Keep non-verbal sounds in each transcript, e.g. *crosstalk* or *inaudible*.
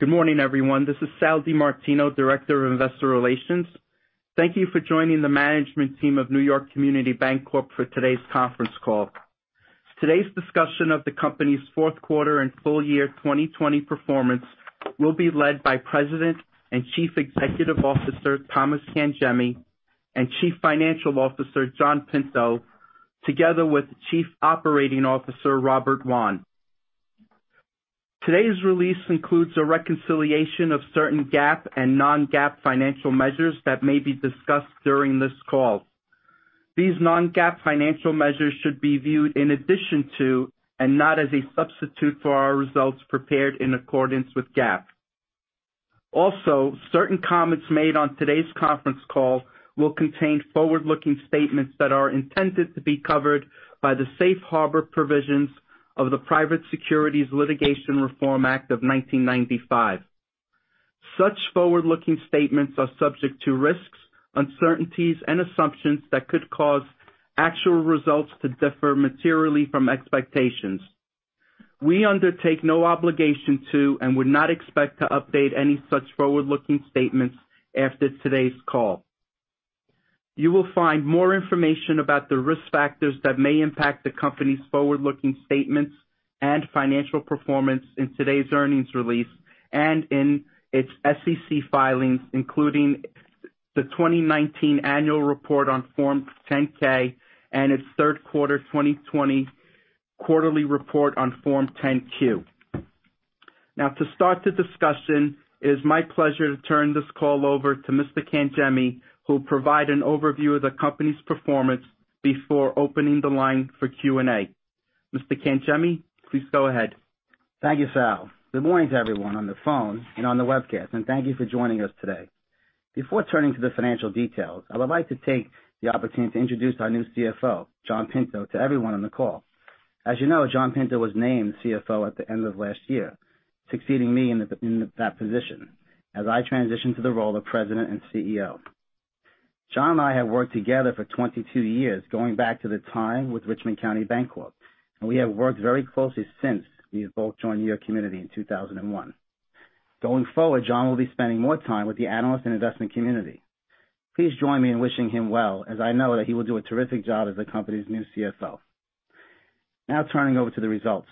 Good morning, everyone. This is Sal DiMartino, Director of Investor Relations. Thank you for joining the management team of New York Community Bancorp for today's conference call. Today's discussion of the company's Q4 and full year 2020 performance will be led by President and Chief Executive Officer Thomas Cangemi and Chief Financial Officer John Pinto, together with Chief Operating Officer Robert Wann. Today's release includes a reconciliation of certain GAAP and non-GAAP financial measures that may be discussed during this call. These non-GAAP financial measures should be viewed in addition to, and not as a substitute for, our results prepared in accordance with GAAP. Also, certain comments made on today's conference call will contain forward-looking statements that are intended to be covered by the safe harbor provisions of the Private Securities Litigation Reform Act of 1995. Such forward-looking statements are subject to risks, uncertainties, and assumptions that could cause actual results to differ materially from expectations. We undertake no obligation to and would not expect to update any such forward-looking statements after today's call. You will find more information about the risk factors that may impact the company's forward-looking statements and financial performance in today's earnings release and in its SEC filings, including the 2019 annual report on Form 10-K and its Q3 2020 quarterly report on Form 10-Q. Now, to start the discussion, it is my pleasure to turn this call over to Mr. Cangemi, who will provide an overview of the company's performance before opening the line for Q&A. Mr. Cangemi, please go ahead. Thank you, Sal. Good morning to everyone on the phone and on the webcast, and thank you for joining us today. Before turning to the financial details, I would like to take the opportunity to introduce our new CFO, John Pinto, to everyone on the call. As you know, John Pinto was named CFO at the end of last year, succeeding me in that position as I transitioned to the role of President and CEO. John and I have worked together for 22 years, going back to the time with Richmond County Bancorp, and we have worked very closely since we both joined New York Community in 2001. Going forward, John will be spending more time with the analyst and investment community. Please join me in wishing him well, as I know that he will do a terrific job as the company's new CFO. Now, turning over to the results.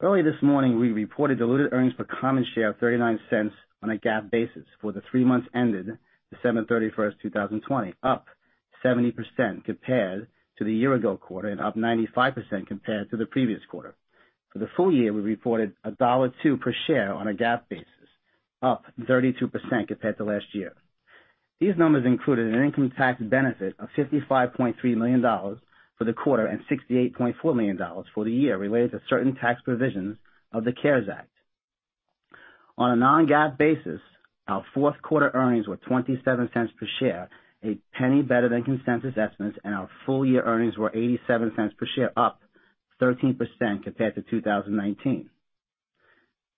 Early this morning, we reported diluted earnings per common share of $0.39 on a GAAP basis for the three months ended December 31, 2020, up 70% compared to the year-ago quarter and up 95% compared to the previous quarter. For the full year, we reported $1.02 per share on a GAAP basis, up 32% compared to last year. These numbers included an income tax benefit of $55.3 million for the quarter and $68.4 million for the year related to certain tax provisions of the CARES Act. On a Non-GAAP basis, our Q4 earnings were $0.27 per share, a penny better than consensus estimates, and our full year earnings were $0.87 per share, up 13% compared to 2019.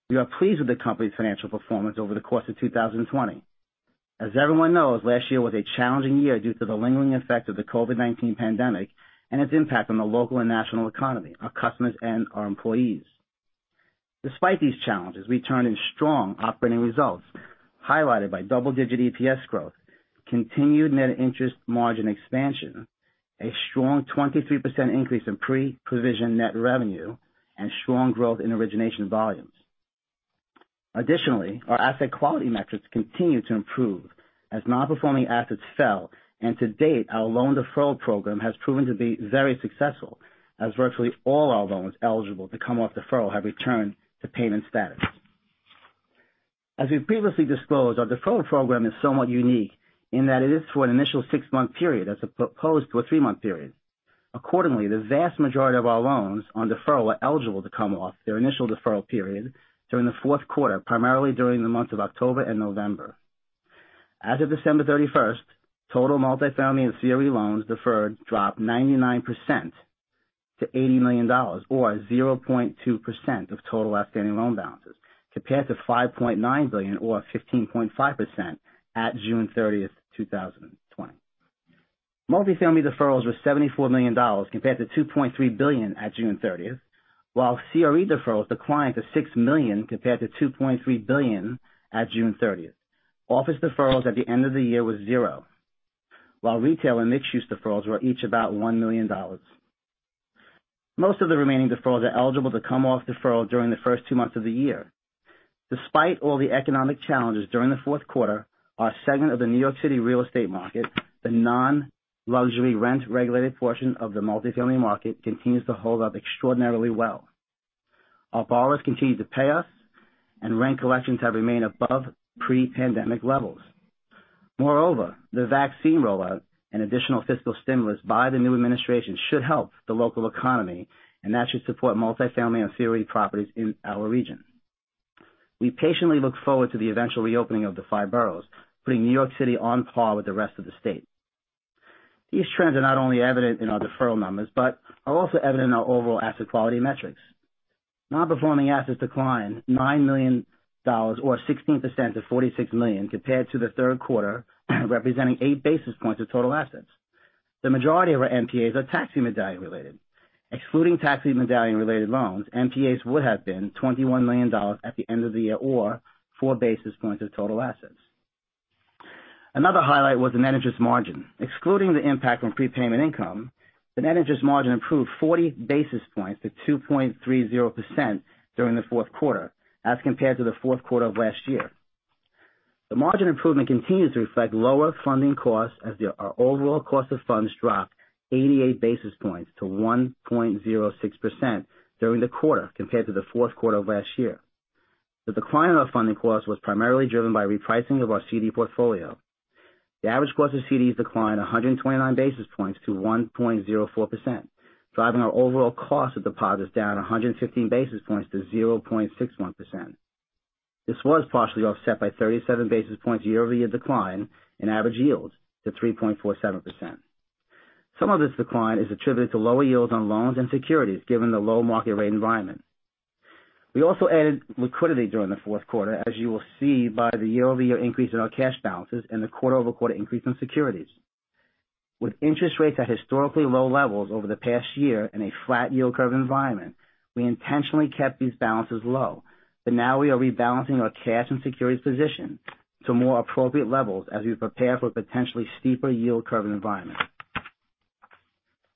We are pleased with the company's financial performance over the course of 2020. As everyone knows, last year was a challenging year due to the lingering effect of the COVID-19 pandemic and its impact on the local and national economy, our customers, and our employees. Despite these challenges, we turned in strong operating results, highlighted by double-digit EPS growth, continued net interest margin expansion, a strong 23% increase in pre-provision net revenue, and strong growth in origination volumes. Additionally, our asset quality metrics continued to improve as non-performing assets fell, and to date, our loan deferral program has proven to be very successful, as virtually all our loans eligible to come off deferral have returned to payment status. As we previously disclosed, our deferral program is somewhat unique in that it is for an initial six-month period as opposed to a three-month period. Accordingly, the vast majority of our loans on deferral are eligible to come off their initial deferral period during the Q4, primarily during the months of October and November. As of December 31st, total multifamily and CRE loans deferred dropped 99% to $80 million, or 0.2% of total outstanding loan balances, compared to $5.9 billion, or 15.5%, at June 30, 2020. Multifamily deferrals were $74 million, compared to $2.3 billion at June 30th, while CRE deferrals declined to $6 million compared to $2.3 billion at June 30th. Office deferrals at the end of the year were zero, while retail and mixed-use deferrals were each about $1 million. Most of the remaining deferrals are eligible to come off deferral during the first two months of the year. Despite all the economic challenges during the Q4, our segment of the New York City real estate market, the non-luxury rent-regulated portion of the multifamily market, continues to hold up extraordinarily well. Our borrowers continue to pay us, and rent collections have remained above pre-pandemic levels. Moreover, the vaccine rollout and additional fiscal stimulus by the new administration should help the local economy, and that should support multifamily and CRE properties in our region. We patiently look forward to the eventual reopening of the five boroughs, putting New York City on par with the rest of the state. These trends are not only evident in our deferral numbers but are also evident in our overall asset quality metrics. Non-performing assets declined $9 million, or 16% to $46 million, compared to the Q3, representing eight basis points of total assets. The majority of our NPAs are taxi medallion-related. Excluding taxi medallion-related loans, NPAs would have been $21 million at the end of the year or four basis points of total assets. Another highlight was the net interest margin. Excluding the impact on prepayment income, the net interest margin improved 40 basis points to 2.30% during the Q4, as compared to the Q4 of last year. The margin improvement continues to reflect lower funding costs as our overall cost of funds dropped 88 basis points to 1.06% during the quarter compared to the Q4 of last year. The decline in our funding costs was primarily driven by repricing of our CD portfolio. The average cost of CDs declined 129 basis points to 1.04%, driving our overall cost of deposits down 115 basis points to 0.61%. This was partially offset by 37 basis points year-over-year decline in average yields to 3.47%. Some of this decline is attributed to lower yields on loans and securities, given the low market-rate environment. We also added liquidity during the Q4, as you will see by the year-over-year increase in our cash balances and the quarter-over-quarter increase in securities. With interest rates at historically low levels over the past year in a flat yield curve environment, we intentionally kept these balances low, but now we are rebalancing our cash and securities position to more appropriate levels as we prepare for a potentially steeper yield curve environment.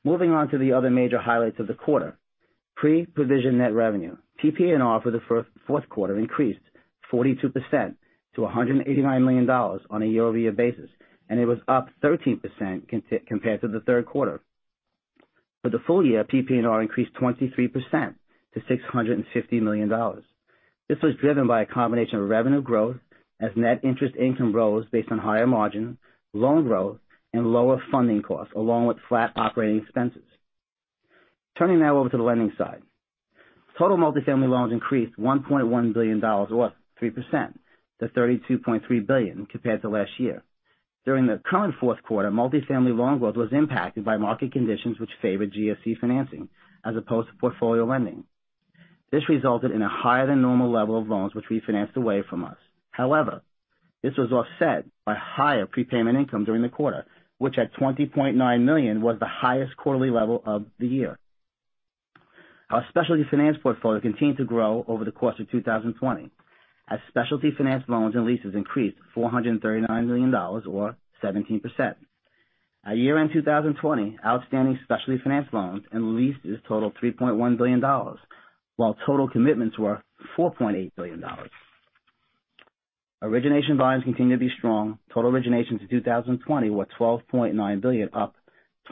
Moving on to the other major highlights of the quarter, pre-provision net revenue. PPNR for the Q4 increased 42% to $189 million on a year-over-year basis, and it was up 13% compared to the Q3. For the full year, PPNR increased 23% to $650 million. This was driven by a combination of revenue growth as net interest income rose based on higher margins, loan growth, and lower funding costs, along with flat operating expenses. Turning now over to the lending side, total multifamily loans increased $1.1 billion, or 3%, to $32.3 billion compared to last year. During the current Q4, multifamily loan growth was impacted by market conditions which favored GSE financing as opposed to portfolio lending. This resulted in a higher-than-normal level of loans which we financed away from us. However, this was offset by higher prepayment income during the quarter, which at $20.9 million was the highest quarterly level of the year. Our specialty finance portfolio continued to grow over the course of 2020 as specialty finance loans and leases increased $439 million, or 17%. At year-end 2020, outstanding specialty finance loans and leases totaled $3.1 billion, while total commitments were $4.8 billion. Origination volumes continue to be strong. Total originations in 2020 were $12.9 billion, up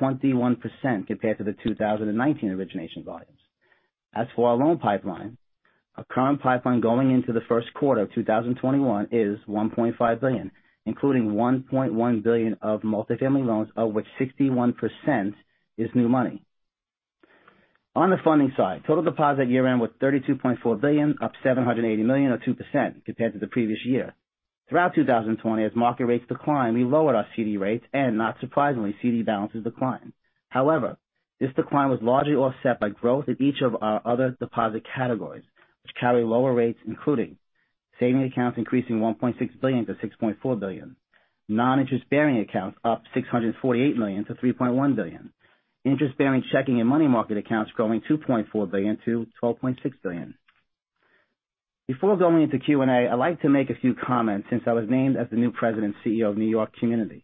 21% compared to the 2019 origination volumes. As for our loan pipeline, our current pipeline going into the Q1 of 2021 is $1.5 billion, including $1.1 billion of multifamily loans, of which 61% is new money. On the funding side, total deposit year-end was $32.4 billion, up $780 million, or 2% compared to the previous year. Throughout 2020, as market rates declined, we lowered our CD rates, and not surprisingly, CD balances declined. However, this decline was largely offset by growth in each of our other deposit categories, which carry lower rates, including savings accounts increasing $1.6 billion to $6.4 billion, non-interest-bearing accounts up $648 million to $3.1 billion, interest-bearing checking and money market accounts growing $2.4 billion to $12.6 billion. Before going into Q&A, I'd like to make a few comments since I was named as the new President and CEO of New York Community.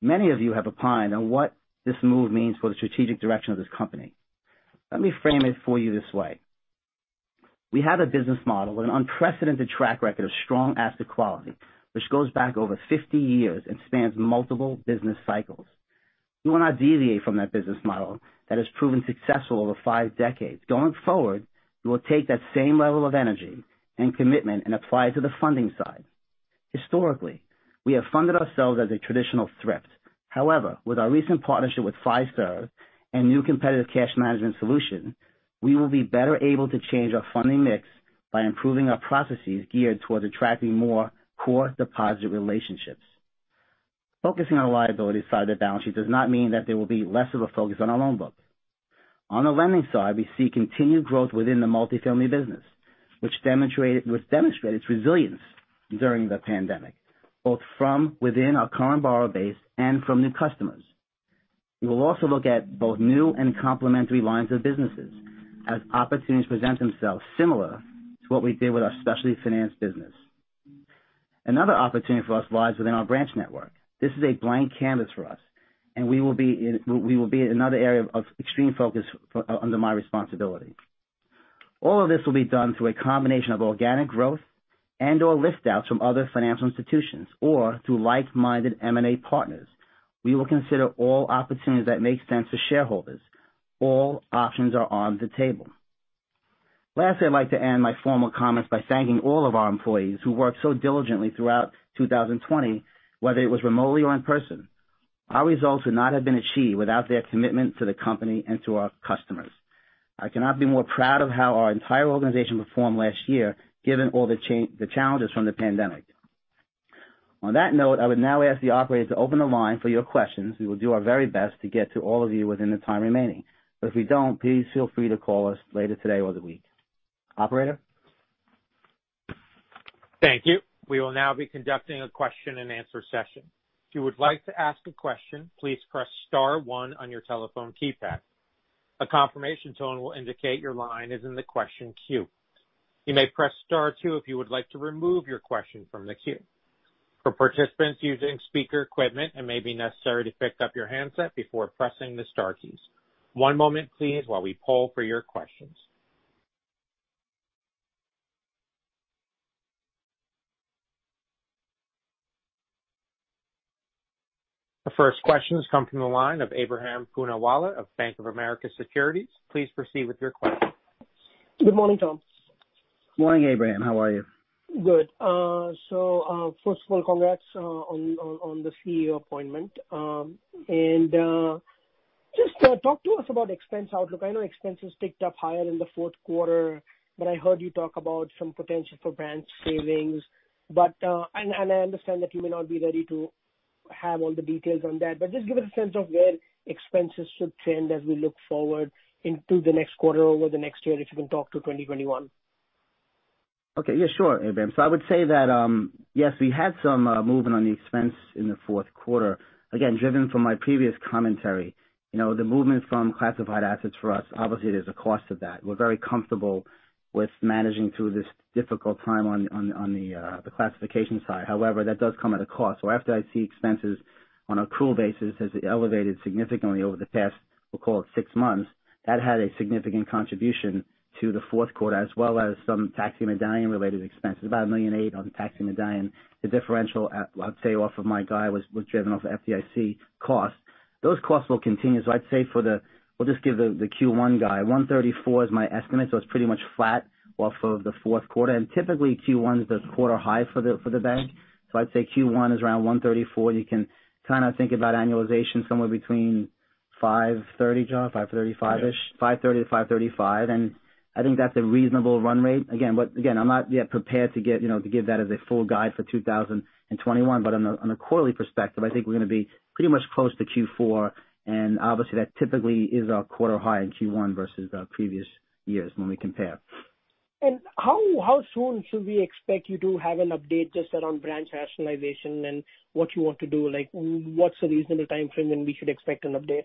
Many of you have opined on what this move means for the strategic direction of this company. Let me frame it for you this way. We have a business model with an unprecedented track record of strong asset quality, which goes back over 50 years and spans multiple business cycles. We will not deviate from that business model that has proven successful over five decades. Going forward, we will take that same level of energy and commitment and apply it to the funding side. Historically, we have funded ourselves as a traditional thrift. However, with our recent partnership with Flagstar and new competitive cash management solution, we will be better able to change our funding mix by improving our processes geared towards attracting more core deposit relationships. Focusing on liabilities side of the balance sheet does not mean that there will be less of a focus on our loan book. On the lending side, we see continued growth within the multifamily business, which demonstrated its resilience during the pandemic, both from within our current borrower base and from new customers. We will also look at both new and complementary lines of businesses as opportunities present themselves similar to what we did with our specialty finance business. Another opportunity for us lies within our branch network. This is a blank canvas for us, and we will be in another area of extreme focus under my responsibility. All of this will be done through a combination of organic growth and or lift outs from other financial institutions or through like-minded M&A partners. We will consider all opportunities that make sense for shareholders. All options are on the table. Lastly, I'd like to end my formal comments by thanking all of our employees who worked so diligently throughout 2020, whether it was remotely or in person. Our results would not have been achieved without their commitment to the company and to our customers. I cannot be more proud of how our entire organization performed last year, given all the challenges from the pandemic. On that note, I would now ask the operators to open the line for your questions. We will do our very best to get to all of you within the time remaining. If we don't, please feel free to call us later today or the week. Operator? Thank you. We will now be conducting a question-and-answer session. If you would like to ask a question, please press Star 1 on your telephone keypad. A confirmation tone will indicate your line is in the question queue. You may press Star 2 if you would like to remove your question from the queue. For participants using speaker equipment, it may be necessary to pick up your handset before pressing the Star keys. One moment, please, while we poll for your questions. The first questions come from the line of Ebrahim Poonawala of Bank of America Securities. Please proceed with your question. Good morning, Tom. Morning, Abraham. How are you? Good. So first of all, congrats on the CEO appointment. And just talk to us about expense outlook. I know expenses ticked up higher in the Q4, but I heard you talk about some potential for brand savings. And I understand that you may not be ready to have all the details on that, but just give us a sense of where expenses should trend as we look forward into the next quarter, over the next year, if you can talk to 2021. Okay. Yeah, sure, Ebrahim. So I would say that, yes, we had some movement on the expense in the Q4. Again, driven from my previous commentary, the movement from classified assets for us, obviously, there's a cost to that. We're very comfortable with managing through this difficult time on the classification side. However, that does come at a cost. So after I see expenses on an accrual basis have elevated significantly over the past, we'll call it, six months, that had a significant contribution to the Q4, as well as some taxi medallion-related expenses, about $1.8 million on taxi medallion. The differential, I'd say, off of my guide was driven off of FDIC costs. Those costs will continue. So I'd say for the, we'll just give the Q1 guide. $134 is my estimate, so it's pretty much flat off of the Q4. And typically, Q1 is the quarter high for the bank. So I'd say Q1 is around $134. You can kind of think about annualization somewhere between $530, $535-ish, $530- $535. And I think that's a reasonable run rate. Again, I'm not yet prepared to give that as a full guide for 2021, but on a quarterly perspective, I think we're going to be pretty much close to Q4. And obviously, that typically is our quarter high in Q1 versus previous years when we compare. And how soon should we expect you to have an update just around branch rationalization and what you want to do? What's a reasonable timeframe when we should expect an update?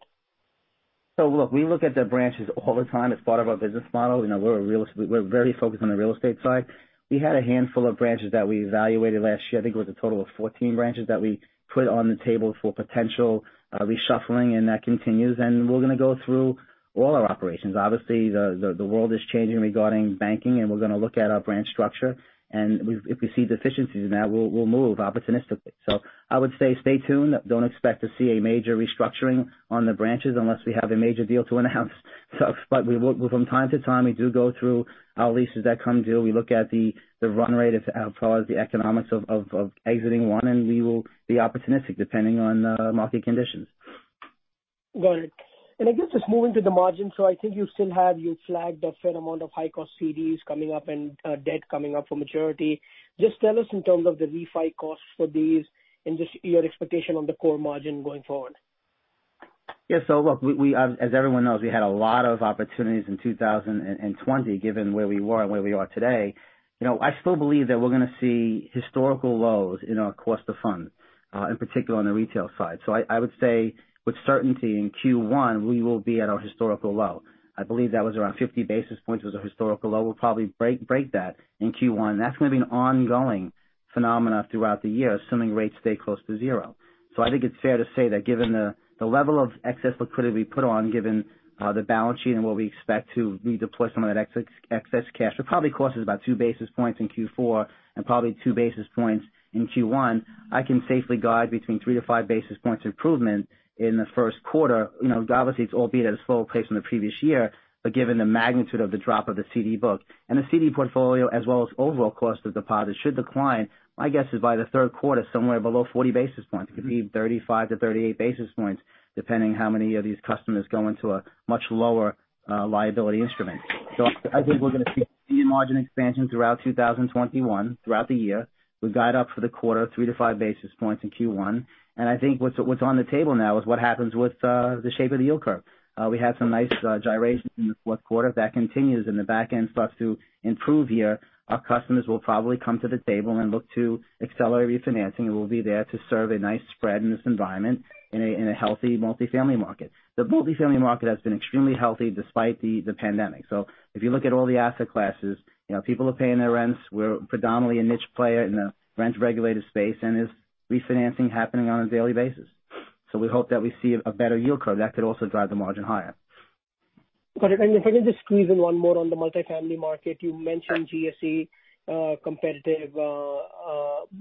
So look, we look at the branches all the time. It's part of our business model. We're very focused on the real estate side. We had a handful of branches that we evaluated last year. I think it was a total of 14 branches that we put on the table for potential reshuffling, and that continues. And we're going to go through all our operations. Obviously, the world is changing regarding banking, and we're going to look at our branch structure, and if we see deficiencies in that, we'll move opportunistically, so I would say stay tuned, don't expect to see a major restructuring on the branches unless we have a major deal to announce, but from time to time, we do go through our leases that come due, we look at the run rate as far as the economics of exiting one, and we will be opportunistic depending on market conditions. Got it, and I guess just moving to the margins, so I think you still have—you flagged a fair amount of high-cost CDs coming up and debt coming up for maturity. Just tell us in terms of the refi costs for these and just your expectation on the core margin going forward. Yeah. So look, as everyone knows, we had a lot of opportunities in 2020, given where we were and where we are today. I still believe that we're going to see historical lows in our cost of funds, in particular on the retail side. So I would say with certainty in Q1, we will be at our historical low. I believe that was around 50 basis points was our historical low. We'll probably break that in Q1. That's going to be an ongoing phenomenon throughout the year, assuming rates stay close to zero. So I think it's fair to say that given the level of excess liquidity we put on, given the balance sheet and what we expect to redeploy some of that excess cash, it probably costs us about two basis points in Q4 and probably two basis points in Q1. I can safely guide between three to five basis points improvement in the Q1. Obviously, it's all been at a slower pace than the previous year, but given the magnitude of the drop of the CD book, and the CD portfolio, as well as overall cost of deposits, should decline, my guess is by the Q3, somewhere below 40 basis points. It could be 35-38 basis points, depending on how many of these customers go into a much lower liability instrument, so I think we're going to see margin expansion throughout 2021, throughout the year. We guide up for the quarter, three to five basis points in Q1, and I think what's on the table now is what happens with the shape of the yield curve. We had some nice gyration in the Q4. If that continues and the back end starts to improve here, our customers will probably come to the table and look to accelerate refinancing. And we'll be there to serve a nice spread in this environment in a healthy multifamily market. The multifamily market has been extremely healthy despite the pandemic. So if you look at all the asset classes, people are paying their rents. We're predominantly a niche player in the rent-regulated space, and there's refinancing happening on a daily basis. So we hope that we see a better yield curve that could also drive the margin higher. Got it. And if I can just squeeze in one more on the multifamily market, you mentioned GSEs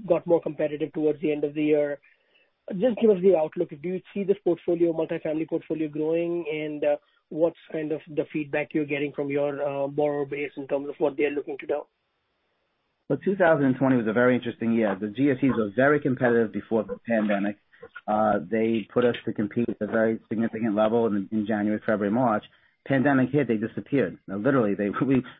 got more competitive towards the end of the year. Just give us the outlook. Do you see this multifamily portfolio growing, and what's kind of the feedback you're getting from your borrower base in terms of what they're looking to do? Well, 2020 was a very interesting year. The GSEs were very competitive before the pandemic. They put us to compete at a very significant level in January, February, March. Pandemic hit, they disappeared. Literally,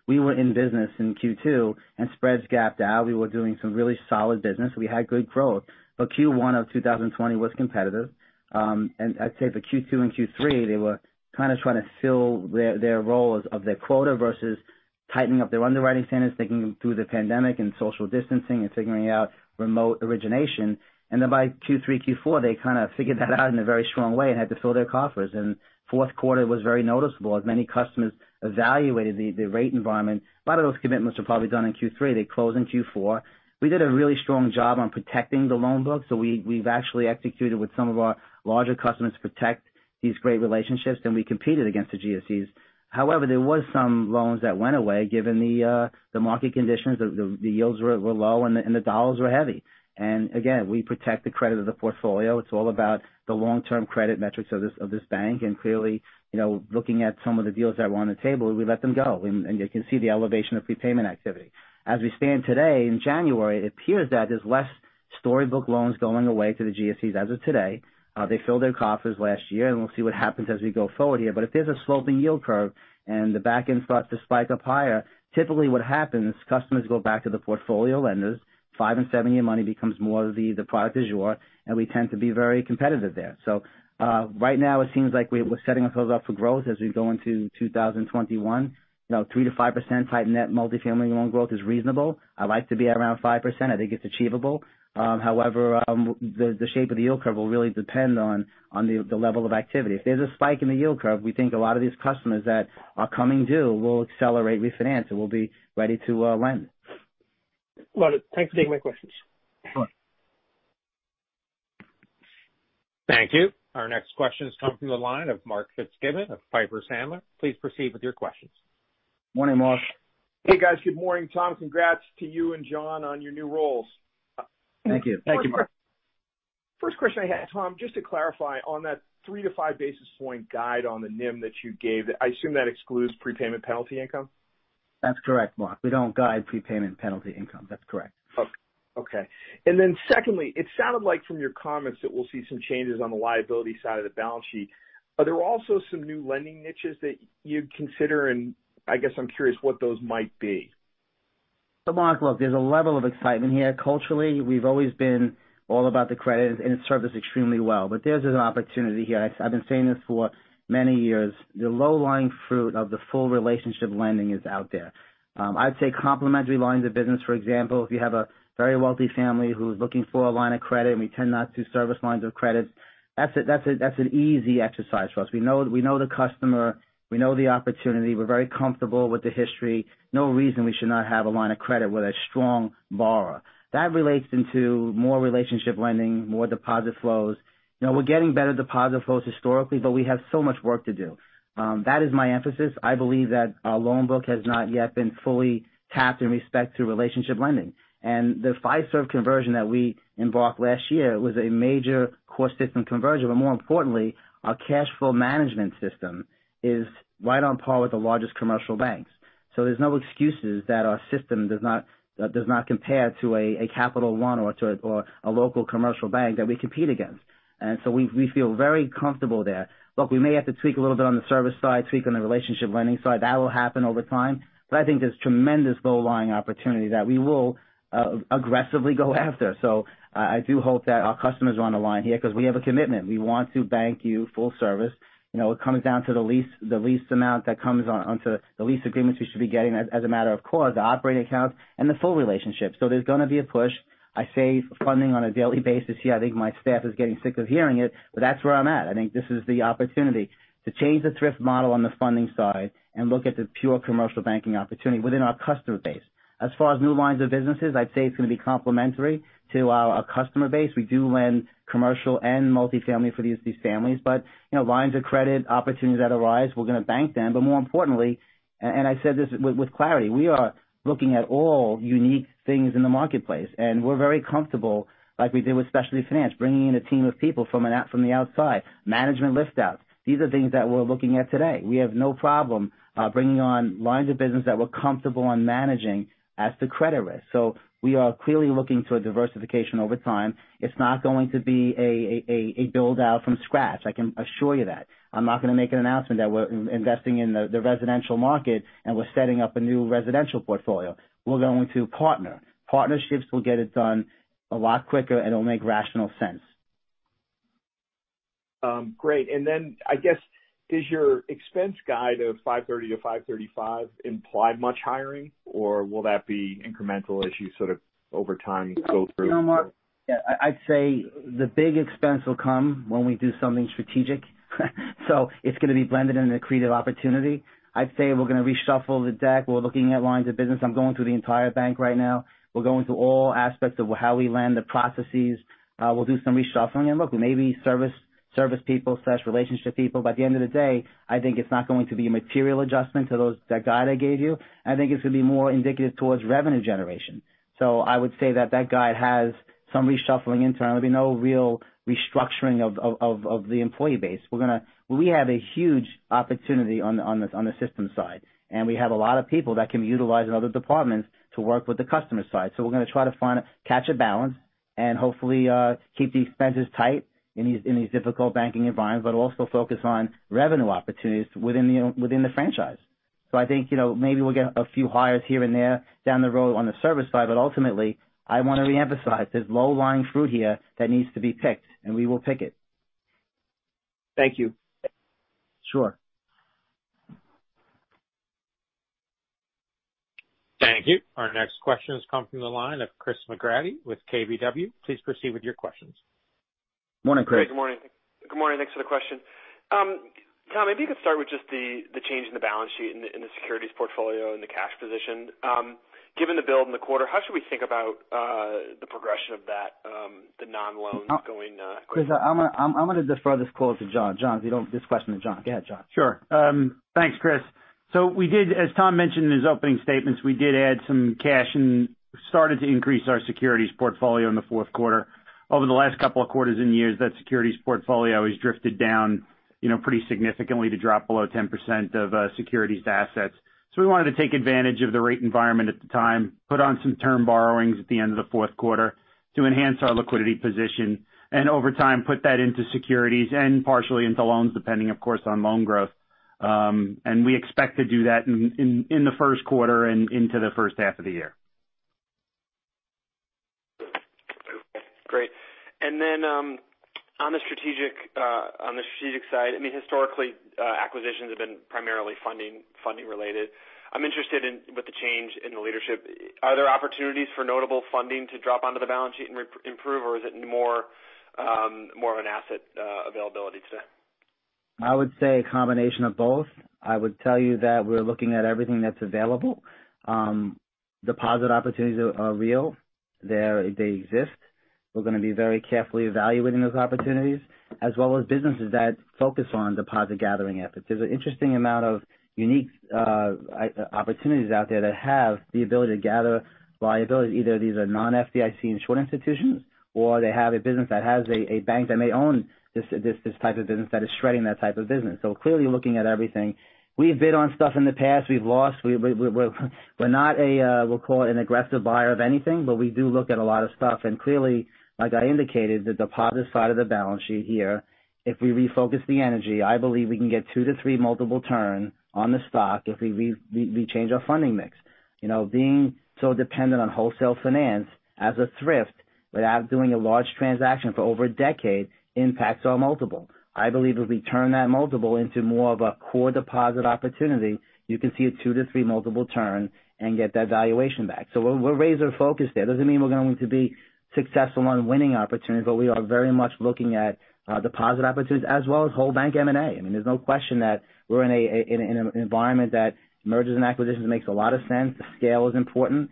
we were in business in Q2, and spreads gapped out. We were doing some really solid business. We had good growth. But Q1 of 2020 was competitive. And I'd say for Q2 and Q3, they were kind of trying to fill their role of their quota versus tightening up their underwriting standards, thinking through the pandemic and social distancing and figuring out remote origination. And then by Q3, Q4, they kind of figured that out in a very strong way and had to fill their coffers. And Q4 was very noticeable as many customers evaluated the rate environment. A lot of those commitments were probably done in Q3. They closed in Q4. We did a really strong job on protecting the loan book. So we've actually executed with some of our larger customers to protect these great relationships, and we competed against the GSEs. However, there were some loans that went away given the market conditions. The yields were low, and the dollars were heavy. And again, we protect the credit of the portfolio. It's all about the long-term credit metrics of this bank. And clearly, looking at some of the deals that were on the table, we let them go. And you can see the elevation of prepayment activity. As we stand today in January, it appears that there's less storybook loans going away to the GSEs as of today. They filled their coffers last year, and we'll see what happens as we go forward here. But if there's a sloping yield curve and the back end starts to spike up higher, typically what happens is customers go back to the portfolio lenders. Five and seven-year money becomes more of the product du jour, and we tend to be very competitive there. So right now, it seems like we're setting ourselves up for growth as we go into 2021. 3%-5% tight net multifamily loan growth is reasonable. I'd like to be around 5%. I think it's achievable. However, the shape of the yield curve will really depend on the level of activity. If there's a spike in the yield curve, we think a lot of these customers that are coming due will accelerate refinance and will be ready to lend. Got it. Thanks for taking my questions. Sure. Thank you. Our next question has come through the line of Mark Fitzgibbon of Piper Sandler. Please proceed with your questions. Morning, Mark. Hey, guys. Good morning, Tom. Congrats to you and John on your new roles. Thank you. Thank you, Mark. First question I had, Tom, just to clarify on that three-to-five basis points guide on the NIM that you gave, I assume that excludes prepayment penalty income? That's correct, Mark. We don't guide prepayment penalty income. That's correct. Okay and then secondly, it sounded like from your comments that we'll see some changes on the liability side of the balance sheet. Are there also some new lending niches that you'd consider, and I guess I'm curious what those might be? So Mark, look, there's a level of excitement here. Culturally, we've always been all about the credit, and it's served us extremely well. But there's an opportunity here. I've been saying this for many years. The low-hanging fruit of the full relationship lending is out there. I'd say complementary lines of business, for example, if you have a very wealthy family who's looking for a line of credit, and we tend not to service lines of credit, that's an easy exercise for us. We know the customer. We know the opportunity. We're very comfortable with the history. No reason we should not have a line of credit with a strong borrower. That relates into more relationship lending, more deposit flows. We're getting better deposit flows historically, but we have so much work to do. That is my emphasis. I believe that our loan book has not yet been fully tapped in respect to relationship lending. And the Fiserv conversion that we embarked last year was a major core system conversion. But more importantly, our cash flow management system is right on par with the largest commercial banks. So there's no excuses that our system does not compare to a Capital One or a local commercial bank that we compete against. And so we feel very comfortable there. Look, we may have to tweak a little bit on the service side, tweak on the relationship lending side. That will happen over time. But I think there's tremendous low-lying opportunity that we will aggressively go after. So I do hope that our customers are on the line here because we have a commitment. We want to bank you full service. It comes down to at least the amount that comes onto the lease agreements we should be getting as a matter of course, the operating accounts, and the full relationship. So there's going to be a push. I save funding on a daily basis here. I think my staff is getting sick of hearing it, but that's where I'm at. I think this is the opportunity to change the thrift model on the funding side and look at the pure commercial banking opportunity within our customer base. As far as new lines of businesses, I'd say it's going to be complementary to our customer base. We do lend commercial and multifamily for these families. But lines of credit, opportunities that arise, we're going to bank them. But more importantly, and I said this with clarity, we are looking at all unique things in the marketplace. And we're very comfortable, like we did with Specialty Finance, bringing in a team of people from the outside, management lift outs. These are things that we're looking at today. We have no problem bringing on lines of business that we're comfortable on managing as to credit risk. So we are clearly looking to a diversification over time. It's not going to be a build-out from scratch. I can assure you that. I'm not going to make an announcement that we're investing in the residential market and we're setting up a new residential portfolio. We're going to partner. Partnerships will get it done a lot quicker, and it'll make rational sense. Great. And then I guess, does your expense guide of $530-$535 imply much hiring, or will that be incremental as you sort of over time go through? Yeah. I'd say the big expense will come when we do something strategic. So it's going to be blended in a creative opportunity. I'd say we're going to reshuffle the deck. We're looking at lines of business. I'm going through the entire bank right now. We're going through all aspects of how we lend, the processes. We'll do some reshuffling. And look, we may be service people, relationship people. By the end of the day, I think it's not going to be a material adjustment to that guide I gave you. I think it's going to be more indicative towards revenue generation. So I would say that that guide has some reshuffling internally. There'll be no real restructuring of the employee base. We have a huge opportunity on the system side, and we have a lot of people that can be utilized in other departments to work with the customer side. So we're going to try to catch a balance and hopefully keep the expenses tight in these difficult banking environments, but also focus on revenue opportunities within the franchise. So I think maybe we'll get a few hires here and there down the road on the service side. But ultimately, I want to reemphasize there's low-hanging fruit here that needs to be picked, and we will pick it. Thank you. Sure. Thank you. Our next question has come from the line of Chris McGratty with KBW. Please proceed with your questions. Morning, Chris. Hey. Good morning. Thanks for the question. Tom, maybe you could start with just the change in the balance sheet and the securities portfolio and the cash position. Given the build in the quarter, how should we think about the progression of that, the non-loans going? Chris, I'm going to defer this call to John. John, I'll just direct the question to John. Go ahead, John. Sure. Thanks, Chris. So as Tom mentioned in his opening statements, we did add some cash and started to increase our securities portfolio in the Q4. Over the last couple of quarters and years, that securities portfolio has drifted down pretty significantly to drop below 10% of securities to assets. So we wanted to take advantage of the rate environment at the time, put on some term borrowings at the end of the Q4 to enhance our liquidity position, and over time put that into securities and partially into loans, depending, of course, on loan growth. And we expect to do that in the Q1 and into the first half of the year. Great. And then on the strategic side, I mean, historically, acquisitions have been primarily funding-related. I'm interested in with the change in the leadership. Are there opportunities for notable funding to drop onto the balance sheet and improve, or is it more of an asset availability today? I would say a combination of both. I would tell you that we're looking at everything that's available. Deposit opportunities are real, they exist. We're going to be very carefully evaluating those opportunities, as well as businesses that focus on deposit gathering efforts. There's an interesting amount of unique opportunities out there that have the ability to gather liability. Either these are non-FDIC and short institutions, or they have a business that has a bank that may own this type of business that is shredding that type of business. So clearly, looking at everything, we've bid on stuff in the past. We've lost. We're not a, we'll call it an aggressive buyer of anything, but we do look at a lot of stuff. Clearly, like I indicated, the deposit side of the balance sheet here, if we refocus the energy, I believe we can get two to three multiple turns on the stock if we change our funding mix. Being so dependent on wholesale finance as a thrift without doing a large transaction for over a decade impacts our multiple. I believe if we turn that multiple into more of a core deposit opportunity, you can see a two to three multiple turn and get that valuation back. We're razor-focused there. It doesn't mean we're going to be successful on winning opportunities, but we are very much looking at deposit opportunities as well as whole bank M&A. I mean, there's no question that we're in an environment that mergers and acquisitions makes a lot of sense. The scale is important.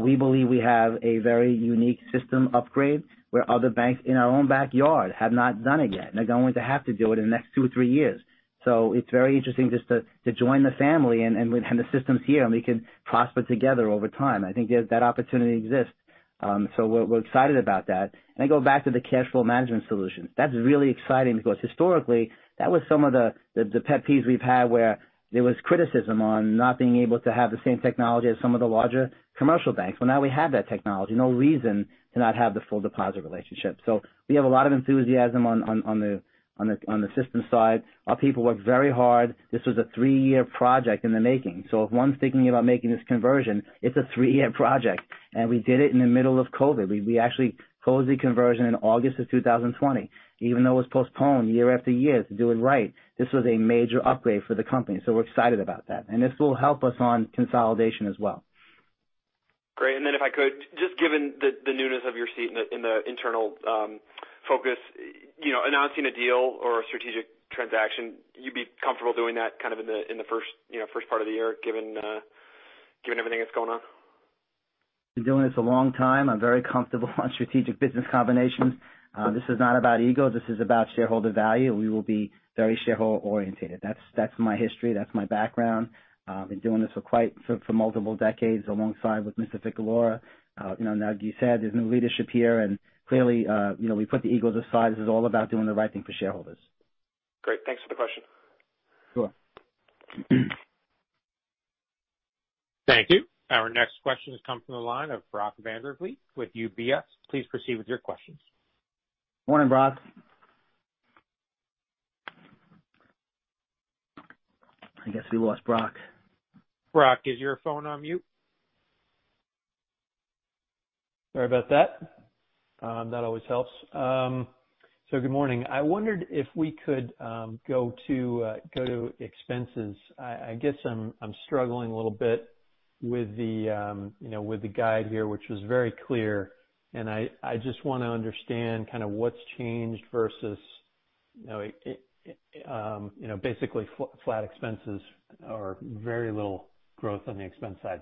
We believe we have a very unique system upgrade where other banks in our own backyard have not done it yet. They're going to have to do it in the next two or three years. So it's very interesting just to join the family and the systems here, and we can prosper together over time. I think that opportunity exists. So, we're excited about that. And go back to the cash flow management solutions. That's really exciting because historically, that was some of the pet peeves we've had where there was criticism on not being able to have the same technology as some of the larger commercial banks. Well, now we have that technology. No reason to not have the full deposit relationship. So, we have a lot of enthusiasm on the system side. Our people work very hard. This was a three-year project in the making. So if one's thinking about making this conversion, it's a three-year project. And we did it in the middle of COVID. We actually closed the conversion in August of 2020, even though it was postponed year after year to do it right. This was a major upgrade for the company. So we're excited about that and this will help us on consolidation as well. Great. And then if I could, just given the newness of your seat in the internal focus, announcing a deal or a strategic transaction, you'd be comfortable doing that kind of in the first part of the year given everything that's going on? Been doing this a long time. I'm very comfortable on strategic business combinations. This is not about ego. This is about shareholder value. We will be very shareholder-oriented. That's my history. That's my background. I've been doing this for multiple decades alongside with Mr. Ficalora. Now, as you said, there's new leadership here, and clearly, we put the egos aside. This is all about doing the right thing for shareholders. Great. Thanks for the question. Sure. Thank you. Our next question has come from the line of Brock Vandervliet with UBS. Please proceed with your questions. Morning, Brock. I guess we lost Brock. Brock, is your phone on mute? Sorry about that. That always helps. So good morning. I wondered if we could go to expenses. I guess I'm struggling a little bit with the guide here, which was very clear, and I just want to understand kind of what's changed versus basically flat expenses or very little growth on the expense side.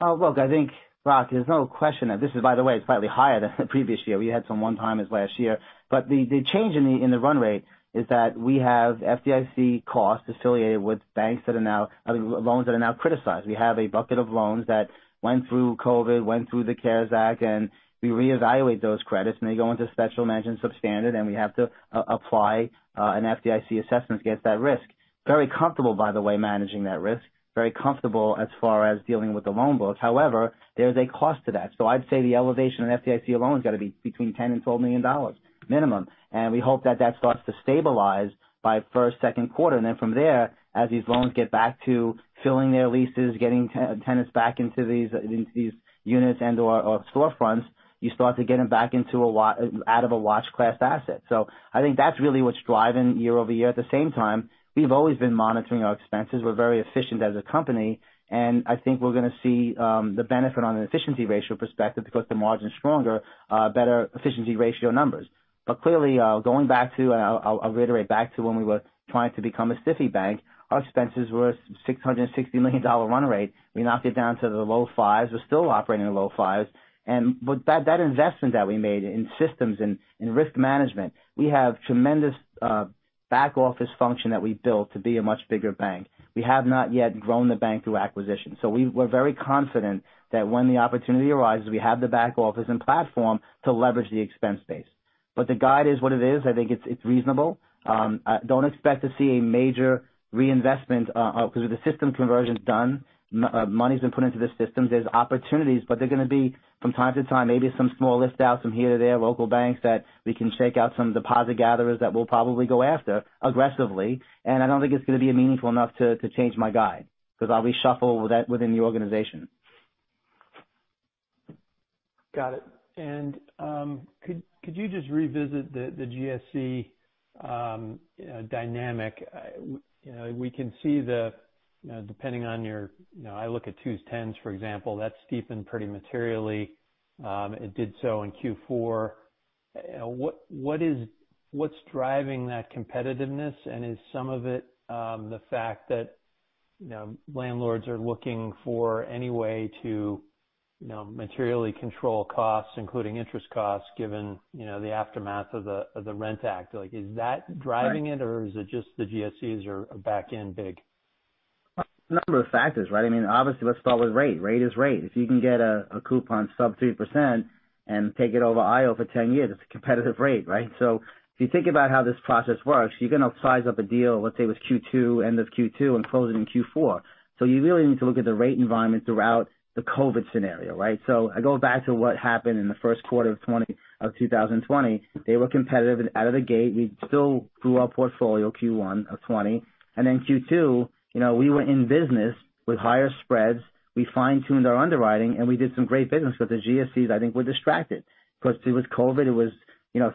Oh, look, I think, Brock, there's no question that this is, by the way, slightly higher than the previous year. We had some one-timers last year. But the change in the run rate is that we have FDIC costs affiliated with banks that are now, I mean, loans that are now criticized. We have a bucket of loans that went through COVID, went through the CARES Act, and we reevaluate those credits, and they go into special mention, substandard, and we have to apply an FDIC assessment against that risk. Very comfortable, by the way, managing that risk. Very comfortable as far as dealing with the loan books. However, there is a cost to that. So I'd say the elevation of FDIC loans got to be between $10 million and $12 million minimum. And we hope that that starts to stabilize by first, Q2. And then from there, as these loans get back to filling their leases, getting tenants back into these units and/or storefronts, you start to get them back out of a watch class asset. So I think that's really what's driving year over year. At the same time, we've always been monitoring our expenses. We're very efficient as a company. And I think we're going to see the benefit on an efficiency ratio perspective because the margin's stronger, better efficiency ratio numbers. But clearly, going back to, and I'll reiterate back to when we were trying to become a SIFI bank, our expenses were a $660 million run rate. We knocked it down to the low fives. We're still operating in the low fives. But that investment that we made in systems and risk management, we have tremendous back office function that we built to be a much bigger bank. We have not yet grown the bank through acquisition, so we're very confident that when the opportunity arises, we have the back office and platform to leverage the expense base, but the guide is what it is. I think it's reasonable. Don't expect to see a major reinvestment because with the system conversions done, money's been put into the systems. There's opportunities, but they're going to be, from time to time, maybe some small lift outs from here to there, local banks that we can shake out some deposit gatherers that we'll probably go after aggressively, and I don't think it's going to be meaningful enough to change my guide because I'll reshuffle within the organization. Got it, and could you just revisit the GSE dynamic? We can see the, depending on your, I look at 2s 10s, for example. That's steepened pretty materially. It did so in Q4. What's driving that competitiveness? And is some of it the fact that landlords are looking for any way to materially control costs, including interest costs, given the aftermath of the Rent Act? Is that driving it, or is it just the GSEs are back in big? A number of factors, right? I mean, obviously, let's start with rate. Rate is rate. If you can get a coupon sub 3% and take it over IO for 10 years, it's a competitive rate, right? So if you think about how this process works, you're going to size up a deal, let's say it was Q2, end of Q2, and close it in Q4. So you really need to look at the rate environment throughout the COVID scenario, right? So I go back to what happened in the Q1 of 2020. They were competitive out of the gate. We still grew our portfolio Q1 of 2020. And then Q2, we went in business with higher spreads. We fine-tuned our underwriting, and we did some great business because the GSEs, I think, were distracted. Because it was COVID. It was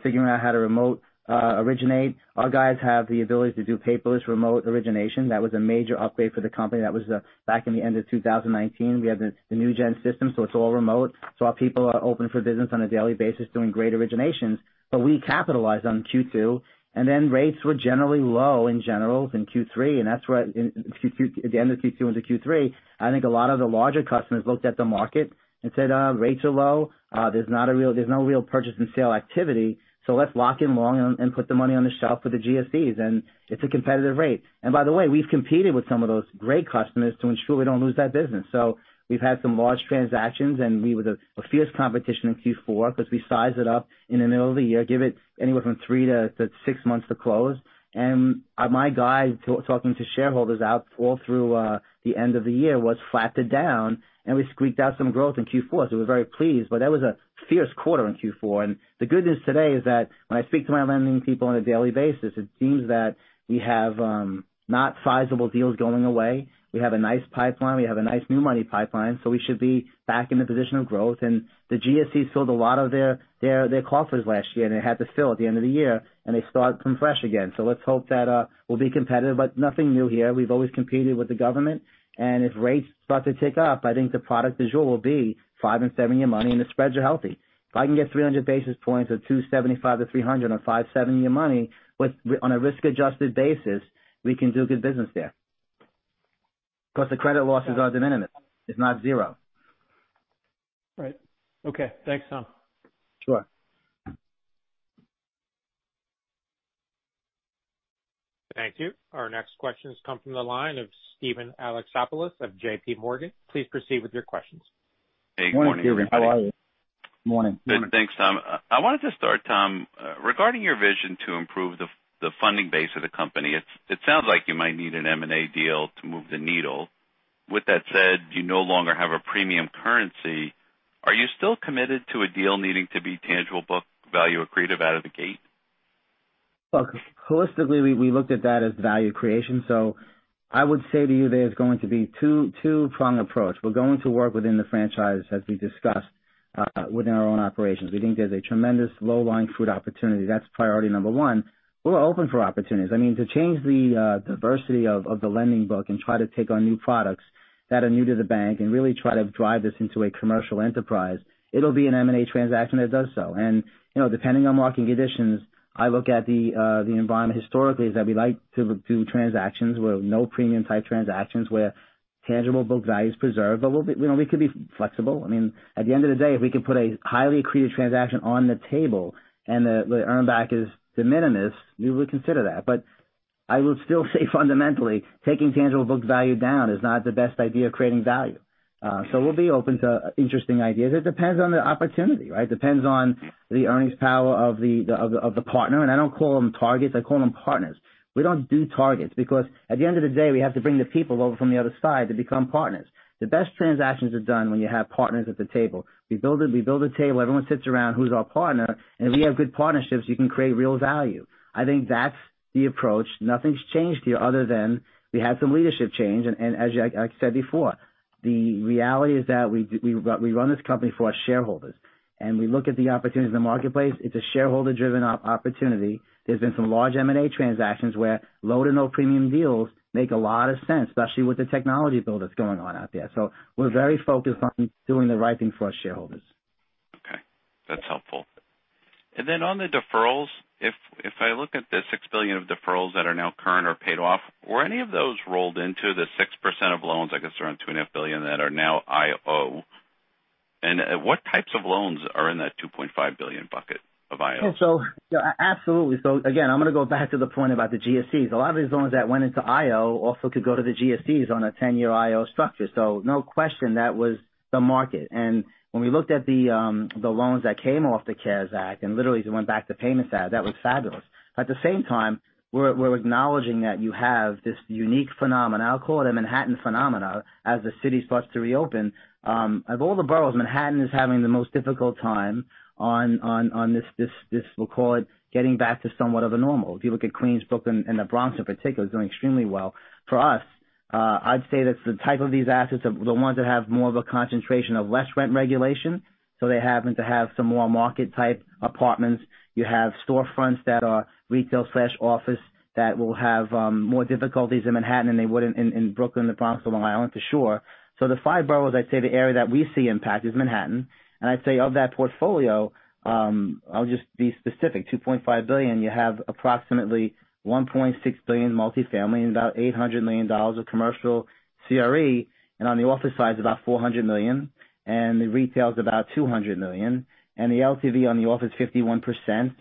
figuring out how to remote originate. Our guys have the ability to do paperless remote origination. That was a major upgrade for the company. That was back in the end of 2019. We had the new gen system, so it's all remote. So our people are open for business on a daily basis, doing great originations. But we capitalized on Q2. And then rates were generally low in general in Q3. And that's why at the end of Q2 into Q3, I think a lot of the larger customers looked at the market and said, "Rates are low. There's no real purchase and sale activity. So let's lock in long and put the money on the shelf for the GSEs." And it's a competitive rate. And by the way, we've competed with some of those great customers to ensure we don't lose that business. So we've had some large transactions, and we faced fierce competition in Q4 because we sized it up in the middle of the year, gave it anywhere from three to six months to close. And my guide talking to shareholders throughout the end of the year was flat to down, and we squeaked out some growth in Q4. So, we were very pleased. But that was a fierce quarter in Q4. And the good news today is that when I speak to my lending people on a daily basis, it seems that we have no sizable deals going away. We have a nice pipeline. We have a nice new money pipeline. So we should be back in the position of growth. And the GSEs filled a lot of their coffers last year, and they had to fill at the end of the year. And they start from scratch again. So let's hope that we'll be competitive. But nothing new here. We've always competed with the government. And if rates start to tick up, I think the product mix will be five and seven-year money, and the spreads are healthy. If I can get 300 basis points of 275 to 300 on a five-seven-year money on a risk-adjusted basis, we can do good business there. Because the credit losses are de minimis. It's not zero. Right. Okay. Thanks, Tom. Sure. Thank you. Our next questions come from the line of Steven Alexopoulos of J.P. Morgan. Please proceed with your questions. Hey, good morning. How are you? Good morning. Thanks, Tom. I wanted to start, Tom, regarding your vision to improve the funding base of the company. It sounds like you might need an M&A deal to move the needle. With that said, you no longer have a premium currency. Are you still committed to a deal needing to be tangible book value accretive out of the gate? Look, holistically, we looked at that as value creation. So I would say to you there's going to be a two-prong approach. We're going to work within the franchise, as we discussed, within our own operations. We think there's a tremendous low-hanging fruit opportunity. That's priority number one. We're open for opportunities. I mean, to change the diversity of the lending book and try to take on new products that are new to the bank and really try to drive this into a commercial enterprise, it'll be an M&A transaction that does so. Depending on market conditions, I look at the environment historically as that we like to do no premium-type transactions where Tangible Book Value is preserved. But we could be flexible. I mean, at the end of the day, if we can put a highly accretive transaction on the table and the earn back is de minimis, we would consider that. But I would still say fundamentally, taking Tangible Book Value down is not the best idea of creating value. We'll be open to interesting ideas. It depends on the opportunity, right? It depends on the earnings power of the partner. And I don't call them targets. I call them partners. We don't do targets because at the end of the day, we have to bring the people over from the other side to become partners. The best transactions are done when you have partners at the table. We build a table. Everyone sits around who's our partner, and if we have good partnerships, you can create real value. I think that's the approach. Nothing's changed here other than we had some leadership change, and as I said before, the reality is that we run this company for our shareholders, and we look at the opportunities in the marketplace. It's a shareholder-driven opportunity. There's been some large M&A transactions where low to no premium deals make a lot of sense, especially with the technology build that's going on out there, so we're very focused on doing the right thing for our shareholders. Okay. That's helpful. Then on the deferrals, if I look at the $6 billion of deferrals that are now current or paid off, were any of those rolled into the 6% of loans, I guess around $2.5 billion, that are now IO? And what types of loans are in that $2.5 billion bucket of IO? Absolutely. Again, I'm going to go back to the point about the GSEs. A lot of these loans that went into IO also could go to the GSEs on a 10-year IO structure. No question that was the market. When we looked at the loans that came off the CARES Act and literally went back to payments out, that was fabulous. At the same time, we're acknowledging that you have this unique phenomenon. I'll call it a Manhattan phenomenon as the city starts to reopen. Of all the boroughs, Manhattan is having the most difficult time on this, we'll call it getting back to somewhat of a normal. If you look at Queens, Brooklyn and the Bronx in particular, it's doing extremely well. For us, I'd say that's the type of these assets are the ones that have more of a concentration of less rent regulation. So they happen to have some more market rate apartments. You have storefronts that are retail/office that will have more difficulties in Manhattan than they would in Brooklyn, the Bronx, and Long Island, for sure. So the five boroughs, I'd say the area that we see impact is Manhattan. And I'd say of that portfolio, I'll just be specific. $2.5 billion, you have approximately $1.6 billion multifamily and about $800 million of commercial CRE. And on the office side, it's about $400 million. And the retail is about $200 million. And the LTV on the office is 51%.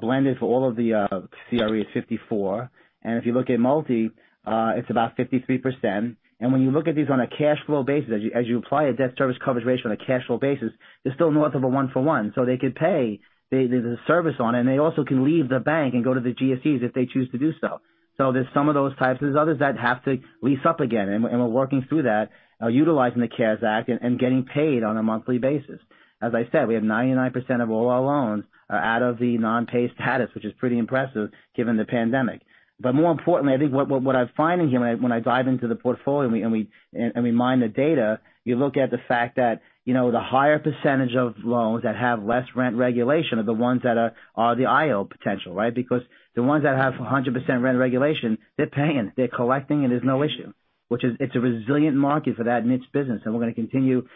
Blended for all of the CRE is 54%. And if you look at multi, it's about 53%. And when you look at these on a cash flow basis, as you apply a debt service coverage ratio on a cash flow basis, they're still north of a one-for-one. So they could pay the service on it. And they also can leave the bank and go to the GSEs if they choose to do so. So there's some of those types. There's others that have to lease up again. And we're working through that, utilizing the CARES Act and getting paid on a monthly basis. As I said, we have 99% of all our loans are out of the non-pay status, which is pretty impressive given the pandemic. But more importantly, I think what I'm finding here when I dive into the portfolio and we mine the data, you look at the fact that the higher percentage of loans that have less rent regulation are the ones that are the IO potential, right? Because the ones that have 100% rent regulation, they're paying. They're collecting, and there's no issue. It's a resilient market for that niche business. And we're going to continue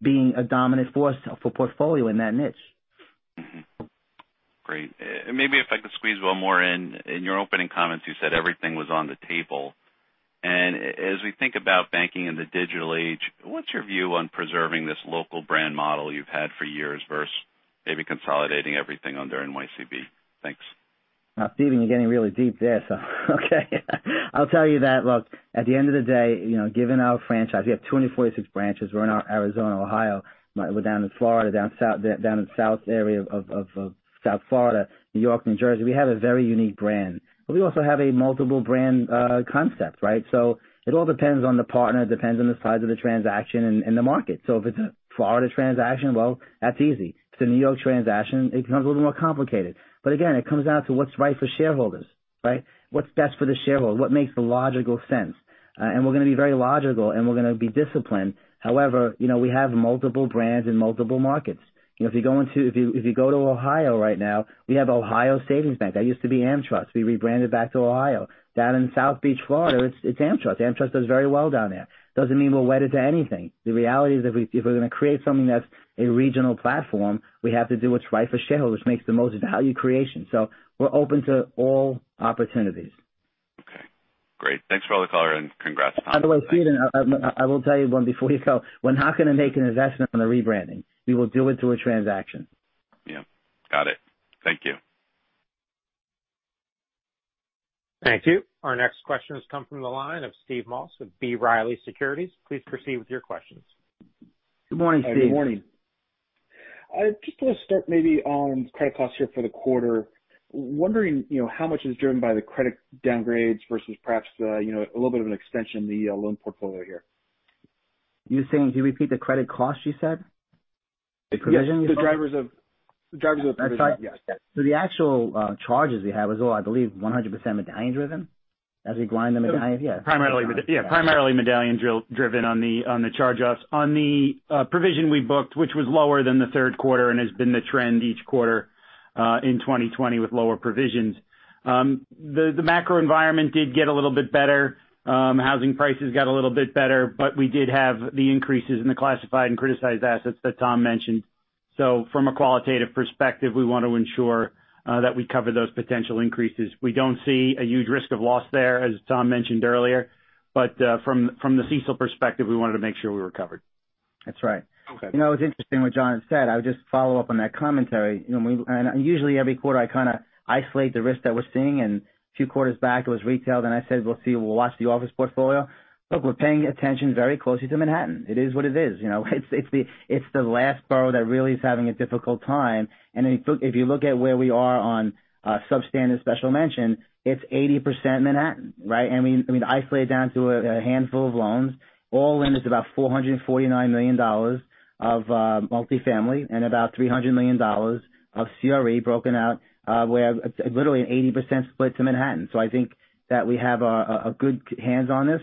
being a dominant force for portfolio in that niche. Great. Maybe if I could squeeze one more in. In your opening comments, you said everything was on the table. And as we think about banking in the digital age, what's your view on preserving this local brand model you've had for years versus maybe consolidating everything under NYCB? Thanks. Stephen, you're getting really deep there, so. Okay. I'll tell you that, look, at the end of the day, given our franchise, we have 246 branches. We're in Arizona, Ohio. We're down in Florida, down in the south area of South Florida, New York, New Jersey. We have a very unique brand. But we also have a multiple brand concept, right? So it all depends on the partner. It depends on the size of the transaction and the market. So if it's a Florida transaction, well, that's easy. If it's a New York transaction, it becomes a little more complicated. But again, it comes down to what's right for shareholders, right? What's best for the shareholder? What makes logical sense? And we're going to be very logical, and we're going to be disciplined. However, we have multiple brands in multiple markets. If you go to Ohio right now, we have Ohio Savings Bank. That used to be AmTrust. We rebranded back to Ohio. Down in South Beach, Florida, it's AmTrust. AmTrust does very well down there. Doesn't mean we're wedded to anything. The reality is if we're going to create something that's a regional platform, we have to do what's right for shareholders, which makes the most value creation. So we're open to all opportunities. Okay. Great. Thanks for all the color, and congrats, Tom. By the way, Steven, I will tell you one before you go. When Han and I make an investment on the rebranding, we will do it through a transaction. Yeah. Got it. Thank you. Thank you. Our next questions come from the line of Steve Moss with B. Riley Securities. Please proceed with your questions. Good morning, Steve. Good morning. Just want to start maybe on credit costs here for the quarter. Wondering how much is driven by the credit downgrades versus perhaps a little bit of an extension in the loan portfolio here. You're saying you repeat the credit costs, you said? The provision, you said? The drivers of the provision. That's right. Yes. So the actual charges we have is, oh, I believe, 100% medallion-driven. As we grind the medallion, yeah. Primarily medallion-driven on the charge-offs. On the provision we booked, which was lower than the Q3 and has been the trend each quarter in 2020 with lower provisions. The macro environment did get a little bit better. Housing prices got a little bit better, but we did have the increases in the classified and criticized assets that Tom mentioned. So from a qualitative perspective, we want to ensure that we cover those potential increases. We don't see a huge risk of loss there, as Tom mentioned earlier. But from the perspective, we wanted to make sure we were covered. That's right. It was interesting what John had said. I would just follow up on that commentary. And usually, every quarter, I kind of isolate the risk that we're seeing. And a few quarters back, it was retail. Then I said, "We'll see. We'll watch the office portfolio." Look, we're paying attention very closely to Manhattan. It is what it is. It's the last borough that really is having a difficult time. And if you look at where we are on substandard special mention, it's 80% Manhattan, right? And we've isolated down to a handful of loans. All in, it's about $449 million of multifamily and about $300 million of CRE broken out, literally an 80% split to Manhattan. So I think that we have a good hands on this.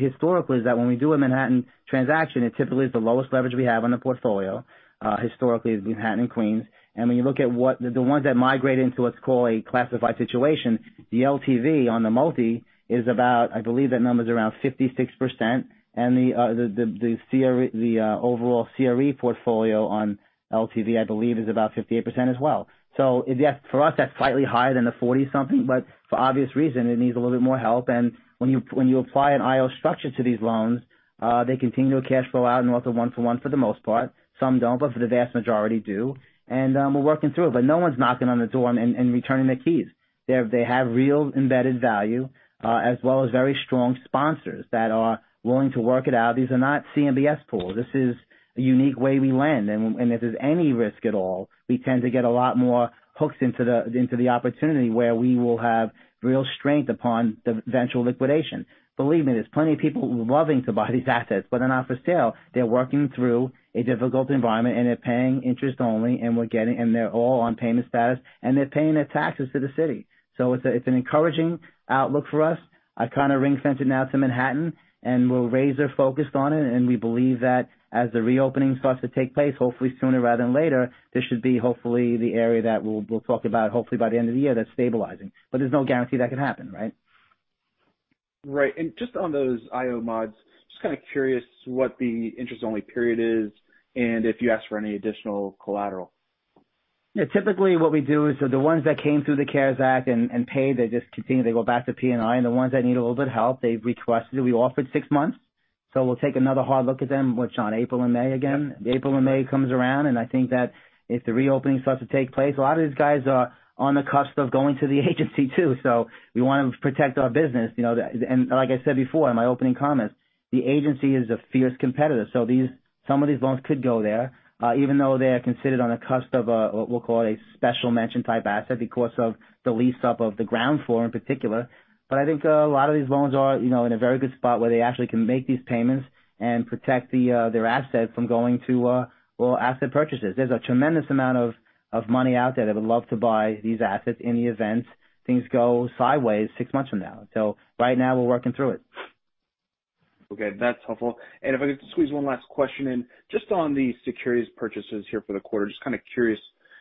Historically, when we do a Manhattan transaction, it typically is the lowest leverage we have on the portfolio, historically, Manhattan and Queens. And when you look at the ones that migrate into what's called a classified situation, the LTV on the multi is about, I believe that number is around 56%. And the overall CRE portfolio on LTV, I believe, is about 58% as well. So yes, for us, that's slightly higher than the 40-something. But for obvious reasons, it needs a little bit more help. And when you apply an IO structure to these loans, they continue to cash flow out and also one-for-one for the most part. Some don't, but for the vast majority, do. And we're working through it. But no one's knocking on the door and returning their keys. They have real embedded value as well as very strong sponsors that are willing to work it out. These are not CMBS pools. This is a unique way we lend. And if there's any risk at all, we tend to get a lot more hooks into the opportunity where we will have real strength upon the eventual liquidation. Believe me, there's plenty of people loving to buy these assets, but they're not for sale. They're working through a difficult environment, and they're paying interest only. And they're all on payment status, and they're paying their taxes to the city. So it's an encouraging outlook for us. I kind of ringfenced it now to Manhattan, and we're razor-focused on it. We believe that as the reopening starts to take place, hopefully sooner rather than later, there should be hopefully the area that we'll talk about hopefully by the end of the year that's stabilizing. But there's no guarantee that could happen, right? Right. Just on those IO mods, just kind of curious what the interest-only period is and if you ask for any additional collateral. Yeah. Typically, what we do is the ones that came through the CARES Act and paid, they just continue. They go back to P&I. The ones that need a little bit of help, they've requested. We offered six months. So we'll take another hard look at them on April and May again. April and May comes around. I think that if the reopening starts to take place, a lot of these guys are on the cusp of going to the agency too. So we want to protect our business. Like I said before in my opening comments, the agency is a fierce competitor. So some of these loans could go there, even though they are considered on the cusp of what we'll call a special mention type asset because of the lease-up of the ground floor in particular. But I think a lot of these loans are in a very good spot where they actually can make these payments and protect their assets from going to, well, asset purchases. There's a tremendous amount of money out there that would love to buy these assets in the event things go sideways six months from now. So right now, we're working through it. Okay. That's helpful. And if I could squeeze one last question in, just on the securities purchases here for the quarter, just kind of curious,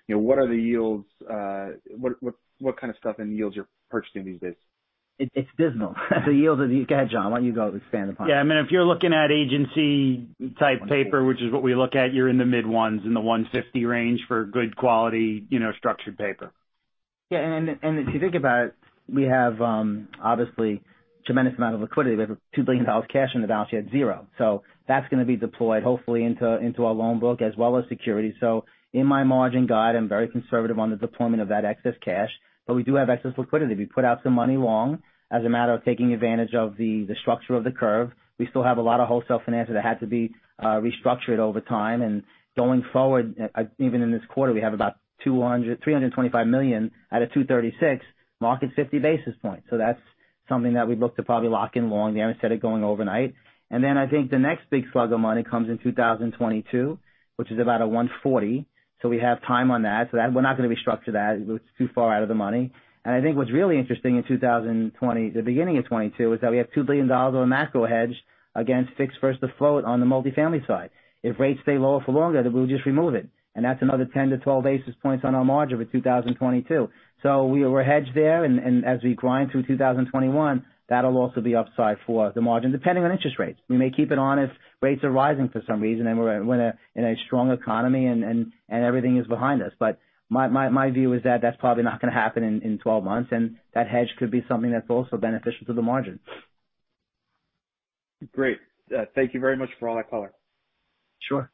what are the yields? What kind of stuff and yields are you purchasing these days? It's dismal. The yields are. Go ahead, John. Why don't you go expand the point? Yeah. I mean, if you're looking at agency-type paper, which is what we look at, you're in the mid-1s in the 150 range for good quality structured paper. Yeah. And if you think about it, we have obviously a tremendous amount of liquidity. We have $2 billion cash on the balance sheet, zero. So that's going to be deployed hopefully into our loan book as well as securities. So, in my margin guide, I'm very conservative on the deployment of that excess cash. But we do have excess liquidity. We put out some money long as a matter of taking advantage of the structure of the curve. We still have a lot of wholesale financing that had to be restructured over time. Going forward, even in this quarter, we have about $325 million out of $236 million, market's 50 basis points. That's something that we've looked to probably lock in long. They haven't said it going overnight. Then I think the next big slug of money comes in 2022, which is about a $140 million. We have time on that. We're not going to restructure that. It's too far out of the money. What's really interesting in 2020, the beginning of 2022, is that we have $2 billion on macro hedge against fixed versus the float on the multifamily side. If rates stay lower for longer, we'll just remove it. That's another 10-12 basis points on our margin for 2022. So we're hedged there. And as we grind through 2021, that'll also be upside for the margin, depending on interest rates. We may keep it on if rates are rising for some reason and we're in a strong economy and everything is behind us. But my view is that that's probably not going to happen in 12 months. And that hedge could be something that's also beneficial to the margin. Great. Thank you very much for all that color. Sure.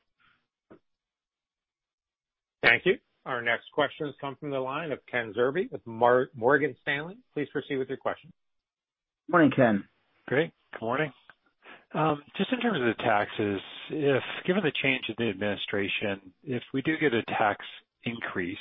Thank you. Our next question has come from the line of Ken Zerbe with Morgan Stanley. Please proceed with your question. Good morning, Ken. Great. Good morning. Just in terms of the taxes, given the change in the administration, if we do get a tax increase,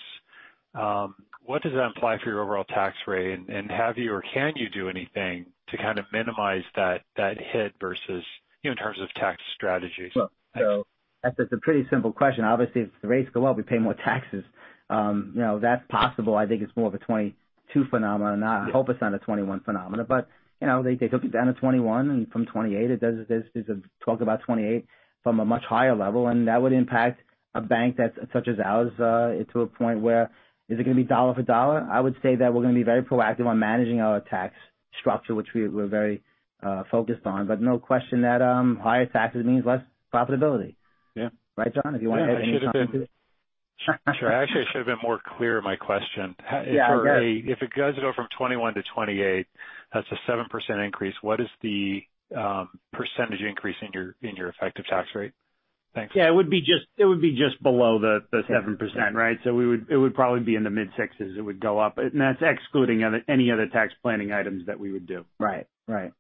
um what does that imply for your overall tax rate? And have you or can you do anything to kind of minimize that hit versus in terms of tax strategies? So that's a pretty simple question. Obviously, if the rates go up, we pay more taxes. That's possible. I think it's more of a 2022 phenomenon. I hope it's not a 2021 phenomenon. But they took it down to 2021, and from 2028, there's talk about 2028 from a much higher level. And that would impact a bank such as ours to a point where, is it going to be dollar for dollar? I would say that we're going to be very proactive on managing our tax structure, which we're very focused on. But no question that higher taxes means less profitability. Right, John? If you want to add anything to that. Sure. Actually, I should have been more clear in my question. If it does go from 2021 to 2028, that's a 7% increase. What is the percentage increase in your effective tax rate? Thanks. Yeah. It would be just below the 7%, right? So it would probably be in the mid-sixes. It would go up and that's excluding any other tax planning items that we would do. Right. Right.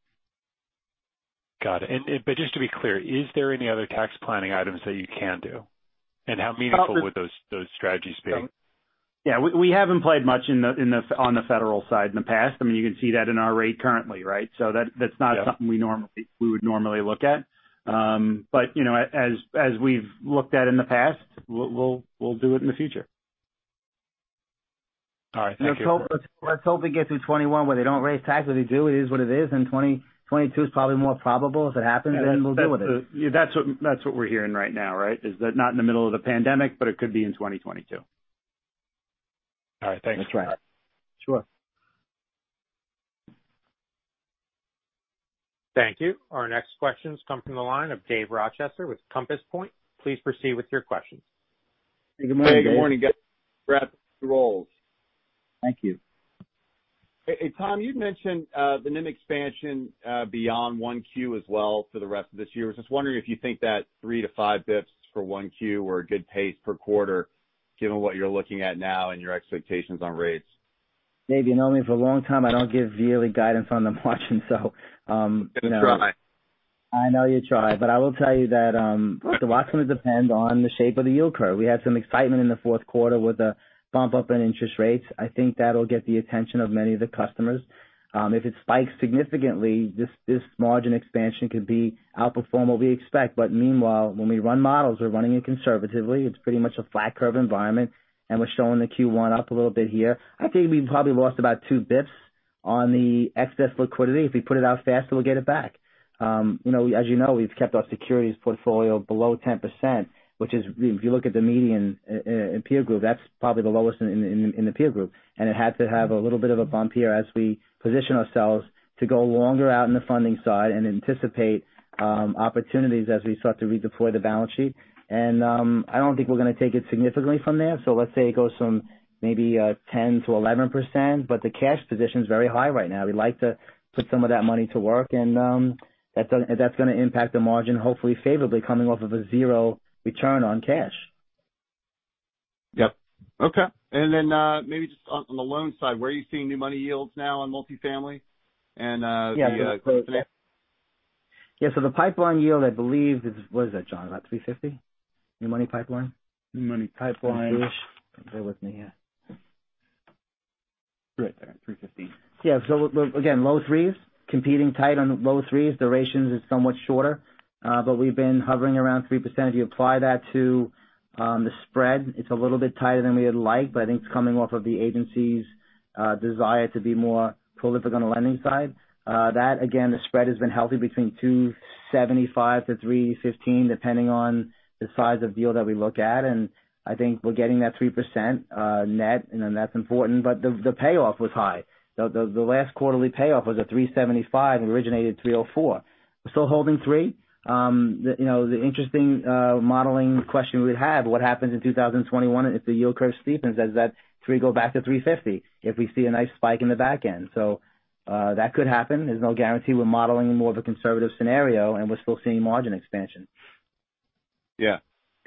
Got it. But just to be clear, is there any other tax planning items that you can do? And how meaningful would those strategies be? Yeah. We haven't played much on the federal side in the past. I mean, you can see that in our rate currently, right? So that's not something we would normally look at but as we've looked at in the past, we'll do it in the future. All right. Thank you. Let's hope we get through 2021 where they don't raise tax, but they do. It is what it is. And 2022 is probably more probable. If it happens, then we'll do with it. That's what we're hearing right now, right? Is that not in the middle of the pandemic, but it could be in 2022? All right. Thanks. That's right. Sure. Thank you. Our next questions come from the line of Dave Rochester with Compass Point. Please proceed with your questions. Hey. Good morning. Dave. Good morning. Great, thanks. Hey, Tom, you'd mentioned the NIM expansion beyond Q1 as well for the rest of this year. I was just wondering if you think that three to five basis points for Q1 were a good pace per quarter, given what you're looking at now and your expectations on rates. Dave, you know me for a long time. I don't give yearly guidance on the margin, so. Good try. I know you try. But I will tell you that it's a lot going to depend on the shape of the yield curve. We had some excitement in the Q4 with a bump up in interest rates. I think that'll get the attention of many of the customers. If it spikes significantly, this margin expansion could outperform what we expect. But meanwhile, when we run models, we're running it conservatively. It's pretty much a flat curve environment. And we're showing the Q1 up a little bit here. I think we've probably lost about 200 basis points on the excess liquidity. If we put it out faster, we'll get it back. As you know, we've kept our securities portfolio below 10%, which is, if you look at the median peer group, that's probably the lowest in the peer group. It had to have a little bit of a bump here as we position ourselves to go longer out in the funding side and anticipate opportunities as we start to redeploy the balance sheet. I don't think we're going to take it significantly from there. Let's say it goes from maybe 10%-11%. The cash position is very high right now. We'd like to put some of that money to work. That's going to impact the margin, hopefully favorably, coming off of a zero return on cash. Yep. Okay. Maybe just on the loan side, where are you seeing new money yields now on multifamily and the finance? Yeah. The pipeline yield, I believe, what is that, John? About 350? New money pipeline? New money pipeline. Bear with me here. Right there. 350. Yeah, so again, low threes, competing tight on low threes. Durations is somewhat shorter. But we've been hovering around 3%. If you apply that to the spread, it's a little bit tighter than we would like. But I think it's coming off of the agency's desire to be more prolific on the lending side. That, again, the spread has been healthy between 275-315, depending on the size of the yield that we look at. And I think we're getting that 3% net. And then that's important. But the payoff was high. The last quarterly payoff was a 375. It originated 304. We're still holding three. The interesting modeling question we would have, what happens in 2021 if the yield curve steepens? Does that three go back to 350 if we see a nice spike in the back end? So that could happen. There's no guarantee. We're modeling more of a conservative scenario, and we're still seeing margin expansion. Yeah.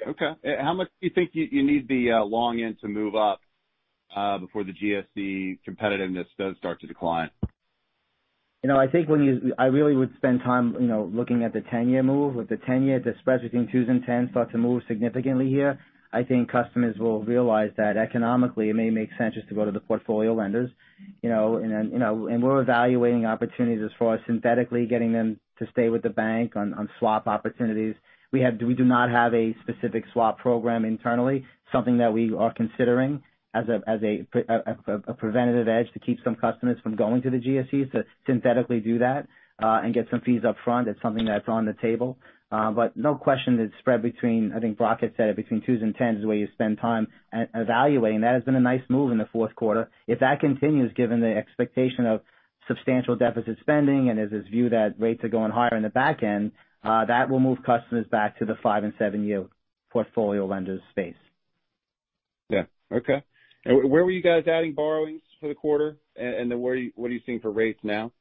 Okay. How much do you think you need the long end to move up before the GSE competitiveness does start to decline? I think when you—I really would spend time looking at the 10-year move. With the 10-year, the spreads between 2s and 10s start to move significantly here. I think customers will realize that economically, it may make sense just to go to the portfolio lenders. And we're evaluating opportunities as far as synthetically getting them to stay with the bank on swap opportunities. We do not have a specific swap program internally, something that we are considering as a preventative edge to keep some customers from going to the GSEs to synthetically do that and get some fees upfront. It's something that's on the table. But no question that spread between (I think Brock had said it) between 2s and 10s is where you spend time evaluating. That has been a nice move in the Q4. If that continues, given the expectation of substantial deficit spending and there's this view that rates are going higher in the back end, that will move customers back to the five and seven-year portfolio lenders space. Yeah. Okay. And where were you guys adding borrowings for the quarter? And then what are you seeing for rates now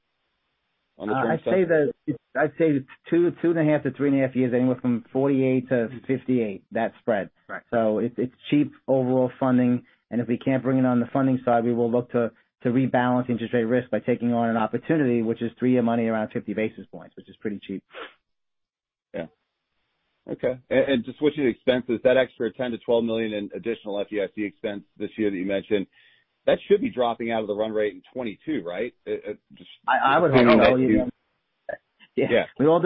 on the term side? I'd say two and a half to three and a half years, anywhere from 48 to 58, that spread. So it's cheap overall funding. And if we can't bring it on the funding side, we will look to rebalance interest rate risk by taking on an opportunity, which is three-year money around 50 basis points, which is pretty cheap. Yeah. Okay. And just switching to expenses, that extra $10 million-$12 million in additional FDIC expense this year that you mentioned, that should be dropping out of the run rate in 2022, right? I would hope so. Yeah. It all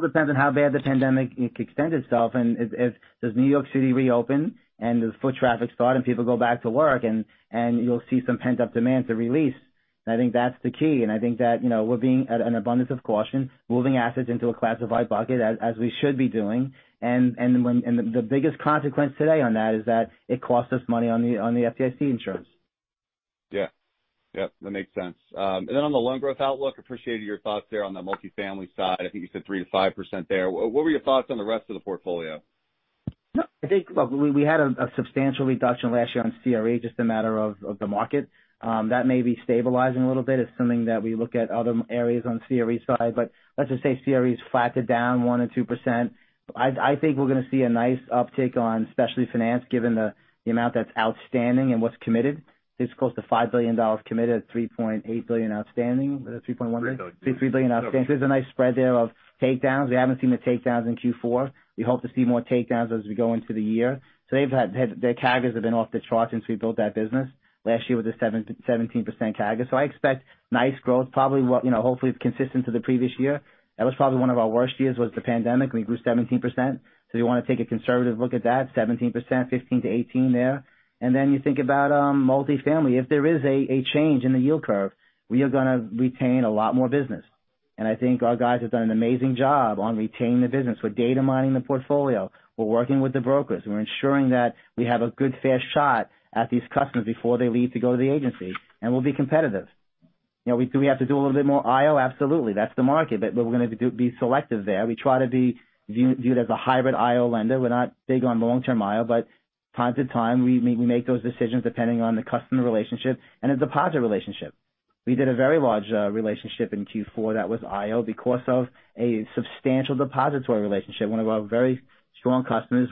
depends on how bad the pandemic extends itself. And if New York City reopens and the foot traffic starts and people go back to work and you'll see some pent-up demand to release, I think that's the key. And I think that we're being an abundance of caution, moving assets into a classified bucket, as we should be doing. And the biggest consequence today on that is that it costs us money on the FDIC insurance. Yeah. Yep. That makes sense. And then on the loan growth outlook, appreciated your thoughts there on the multifamily side. I think you said 3%-5% there. What were your thoughts on the rest of the portfolio? I think, look, we had a substantial reduction last year on CRE, just a matter of the market. That may be stabilizing a little bit. It's something that we look at other areas on the CRE side. But let's just say CRE's flattened down 1-2%. I think we're going to see a nice uptick on specialty finance, given the amount that's outstanding and what's committed. It's close to $5 billion committed, $3.8 billion outstanding, $3.1 billion. $3 billion outstanding. So there's a nice spread there of takedowns. We haven't seen the takedowns in Q4. We hope to see more takedowns as we go into the year. So their CAGRs have been off the charts since we built that business last year with a 17% CAGR. So I expect nice growth, probably hopefully consistent to the previous year. That was probably one of our worst years, the pandemic. We grew 17%, so we want to take a conservative look at that, 17%, 15%-18% there, and then you think about multifamily. If there is a change in the yield curve, we are going to retain a lot more business, and I think our guys have done an amazing job on retaining the business. We're data mining the portfolio. We're working with the brokers. We're ensuring that we have a good fair shot at these customers before they leave to go to the agency, and we'll be competitive. Do we have to do a little bit more IO? Absolutely. That's the market, but we're going to be selective there. We try to be viewed as a hybrid IO lender. We're not big on long-term IO. From time to time, we make those decisions depending on the customer relationship and the deposit relationship. We did a very large relationship in Q4 that was IO because of a substantial depository relationship. One of our very strong customers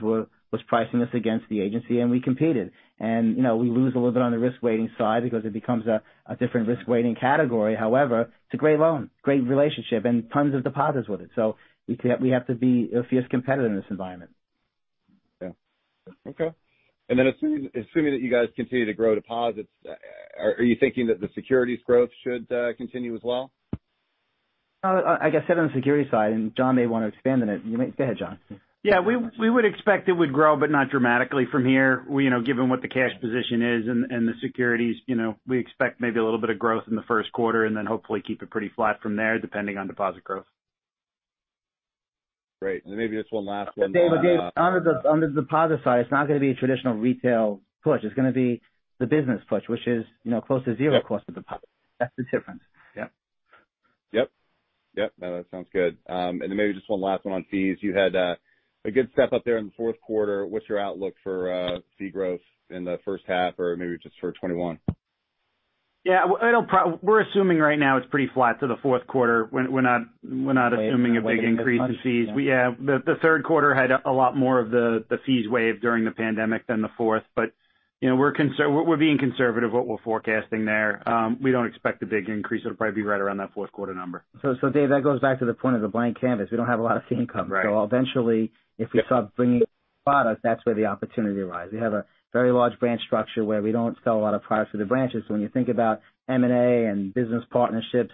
was pricing us against the agency, and we competed. And we lost a little bit on the risk-weighting side because it becomes a different risk-weighting category. However, it's a great loan, great relationship, and tons of deposits with it. So we have to be a fierce competitor in this environment. Yeah. Okay. And then assuming that you guys continue to grow deposits, are you thinking that the securities growth should continue as well? I guess on the securities side, and John may want to expand on it. Go ahead, John. Yeah. We would expect it would grow, but not dramatically from here, given what the cash position is and the securities. We expect maybe a little bit of growth in the Q1 and then hopefully keep it pretty flat from there, depending on deposit growth. Great. And maybe just one last one. Dave, on the deposit side, it's not going to be a traditional retail push. It's going to be the business push, which is close to zero cost of deposit. That's the difference. Yep. Yep. Yep. No, that sounds good. And then maybe just one last one on fees. You had a good step up there in the Q4. What's your outlook for fee growth in the first half or maybe just for 2021? Yeah. We're assuming right now it's pretty flat to the Q4. We're not assuming a big increase in fees. Yeah. The Q3 had a lot more of the fee waivers during the pandemic than the fourth. But we're being conservative with what we're forecasting there. We don't expect a big increase. It'll probably be right around that Q4 number. So Dave, that goes back to the point of the blank canvas. We don't have a lot of fee income. So eventually, if we start bringing products, that's where the opportunity arises. We have a very large branch structure where we don't sell a lot of products to the branches. So when you think about M&A and business partnerships,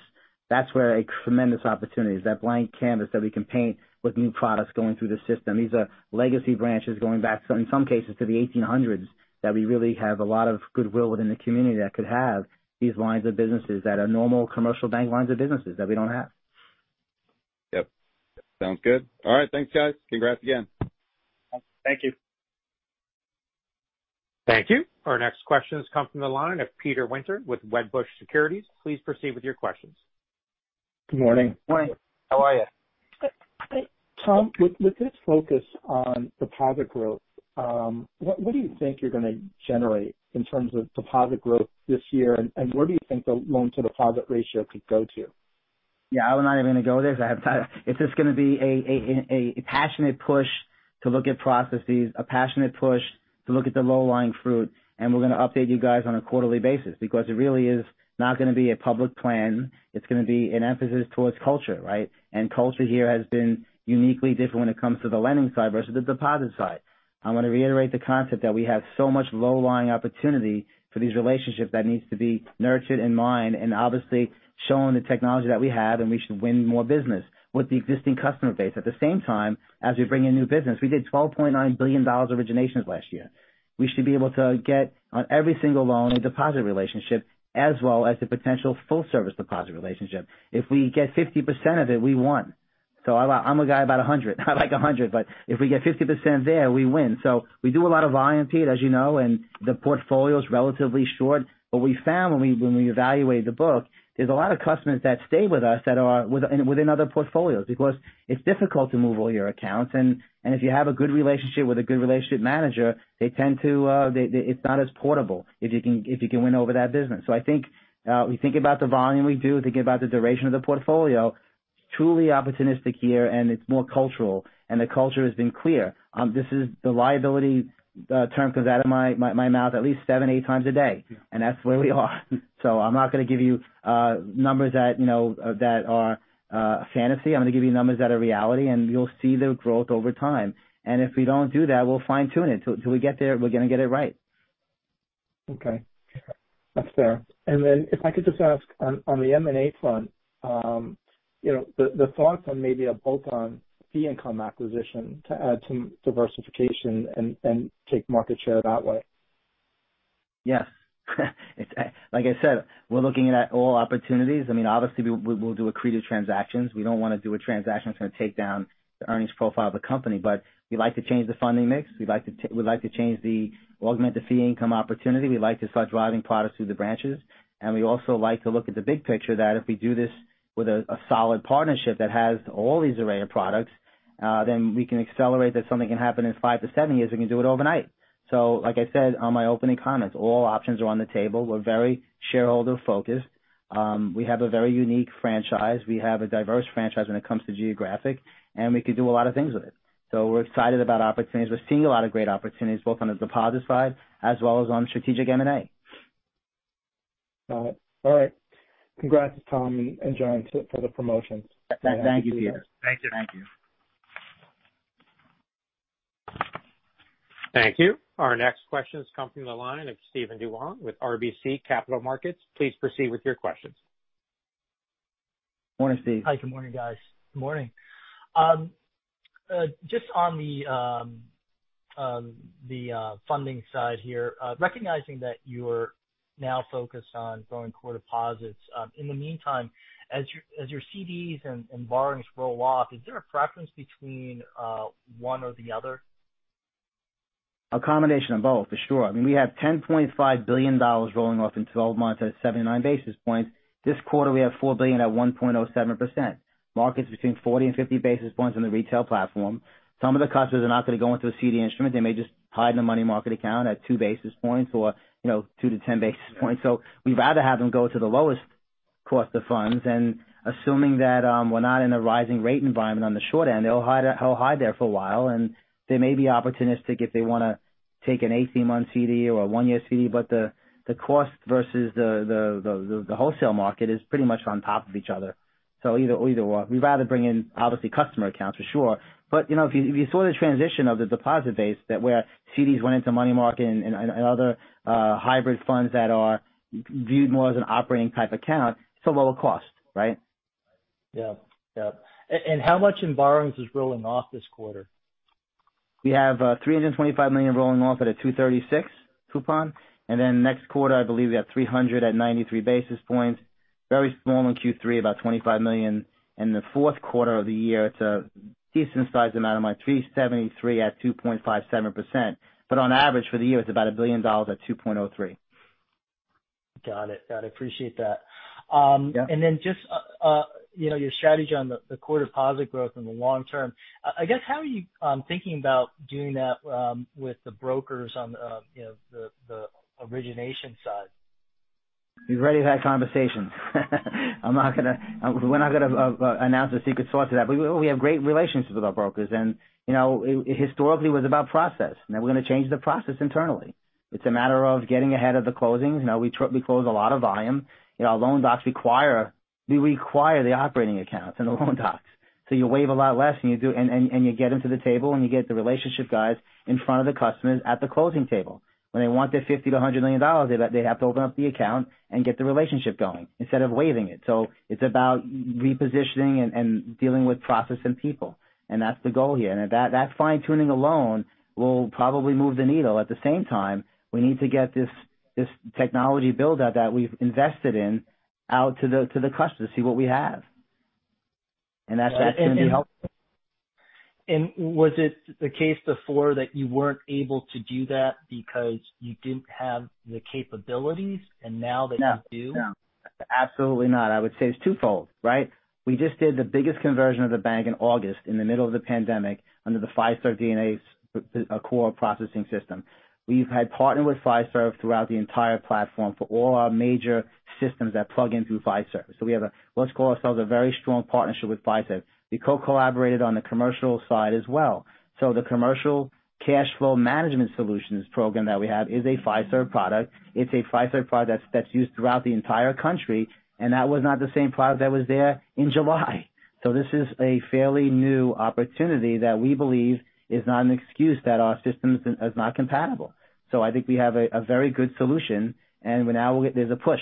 that's where a tremendous opportunity is. That blank canvas that we can paint with new products going through the system. These are legacy branches going back, in some cases, to the 1800s that we really have a lot of goodwill within the community that could have these lines of businesses that are normal commercial bank lines of businesses that we don't have. Yep. Sounds good. All right. Thanks, guys. Congrats again. Thank you. Thank you. Our next questions come from the line of Peter Winter with Wedbush Securities. Please proceed with your questions. Good morning. Good morning. How are you? Hey. Tom, with this focus on deposit growth, what do you think you're going to generate in terms of deposit growth this year? And where do you think the loan-to-deposit ratio could go to? Yeah. I'm not even going to go there. It's just going to be a passionate push to look at processes, a passionate push to look at the low-lying fruit. And we're going to update you guys on a quarterly basis because it really is not going to be a public plan. It's going to be an emphasis towards culture, right? And culture here has been uniquely different when it comes to the lending side versus the deposit side. I want to reiterate the concept that we have so much low-lying opportunity for these relationships that needs to be nurtured and mined and obviously shown the technology that we have, and we should win more business with the existing customer base. At the same time, as we bring in new business, we did $12.9 billion originations last year. We should be able to get on every single loan a deposit relationship as well as the potential full-service deposit relationship. If we get 50% of it, we won. So I'm a guy about 100. I like 100. But if we get 50% there, we win. So we do a lot of volume feed, as you know, and the portfolio is relatively short. But we found when we evaluated the book, there's a lot of customers that stay with us that are within other portfolios because it's difficult to move all your accounts. And if you have a good relationship with a good relationship manager, they tend to. It's not as portable if you can win over that business. So, I think we think about the volume we do, think about the duration of the portfolio. It's truly opportunistic here, and it's more cultural. And the culture has been clear. The liability term comes out of my mouth at least seven, eight times a day. And that's where we are. So, I'm not going to give you numbers that are fantasy. I'm going to give you numbers that are reality. And you'll see the growth over time. And if we don't do that, we'll fine-tune it until we get there. We're going to get it right. Okay. That's fair. And then if I could just ask, on the M&A front, the thoughts on maybe a bolt-on fee income acquisition to add some diversification and take market share that way? Yes. Like I said, we're looking at all opportunities. I mean, obviously, we'll do accretive transactions. We don't want to do a transaction that's going to take down the earnings profile of the company. But we like to change the funding mix. We like to change the—we augment the fee income opportunity. We like to start driving products through the branches. And we also like to look at the big picture that if we do this with a solid partnership that has all these array of products, then we can accelerate that something can happen in five-to-seven years. We can do it overnight. So like I said on my opening comments, all options are on the table. We're very shareholder-focused. We have a very unique franchise. We have a diverse franchise when it comes to geographic. And we can do a lot of things with it. So we're excited about opportunities. We're seeing a lot of great opportunities, both on the deposit side as well as on strategic M&A. Got it. All right. Congrats, Tom and John, for the promotions. *crosstalk* Thank you, Peter. Thank you. Thank you. Thank you. Our next questions come from the line of Steven Duong with RBC Capital Markets. Please proceed with your questions. Good morning, Steve. Hi. Good morning, guys. Good morning. Just on the funding side here, recognizing that you're now focused on growing core deposits, in the meantime, as your CDs and borrowings roll off, is there a preference between one or the other? A combination of both, for sure. I mean, we have $10.5 billion rolling off in 12 months at 79 basis points. This quarter, we have $4 billion at 1.07%. Market's between 40 and 50 basis points on the retail platform. Some of the customers are not going to go into a CD instrument. They may just hide in a money market account at 2 basis points or 2 to 10 basis points. So we'd rather have them go to the lowest cost of funds. And assuming that we're not in a rising rate environment on the short end, they'll hide there for a while. They may be opportunistic if they want to take an 18-month CD or a one-year CD. The cost versus the wholesale market is pretty much on top of each other. Either/or. We'd rather bring in, obviously, customer accounts, for sure. If you saw the transition of the deposit base where CDs went into money market and other hybrid funds that are viewed more as an operating-type account, it's a lower cost, right? Yeah. Yeah. How much in borrowings is rolling off this quarter? We have $325 million rolling off at a 236 coupon. Then next quarter, I believe we have $300 at 93 basis points. Very small in Q3, about $25 million. The Q4 of the year, it's a decent-sized amount of money, $373 at 2.57%. On average for the year, it's about $1 billion at 2.03. Got it. Got it. Appreciate that. And then just your strategy on the core deposit growth in the long term, I guess, how are you thinking about doing that with the brokers on the origination side? We've already had conversations. I'm not going to, we're not going to announce a secret sauce to that. But we have great relationships with our brokers. And historically, it was about process. Now we're going to change the process internally. It's a matter of getting ahead of the closings. We close a lot of volume. Loan docs require, we require the operating accounts and the loan docs. So you waive a lot less, and you get them to the table, and you get the relationship guys in front of the customers at the closing table. When they want their $50-$100 million, they have to open up the account and get the relationship going instead of waiving it. It's about repositioning and dealing with process and people. That's the goal here. That fine-tuning alone will probably move the needle. At the same time, we need to get this technology build-out that we've invested in out to the customers to see what we have. That's going to be helpful. Was it the case before that you weren't able to do that because you didn't have the capabilities, and now that you do? No. No. Absolutely not. I would say it's twofold, right? We just did the biggest conversion of the bank in August in the middle of the pandemic under the Fiserv DNA core processing system. We've had partnered with Fiserv throughout the entire platform for all our major systems that plug in through Fiserv. We have a - let's call ourselves a very strong partnership with Fiserv. We co-collaborated on the commercial side as well. So the commercial cash flow management solutions program that we have is a Fiserv product. It's a Fiserv product that's used throughout the entire country. And that was not the same product that was there in July. So this is a fairly new opportunity that we believe is not an excuse that our system is not compatible. So I think we have a very good solution. And now there's a push.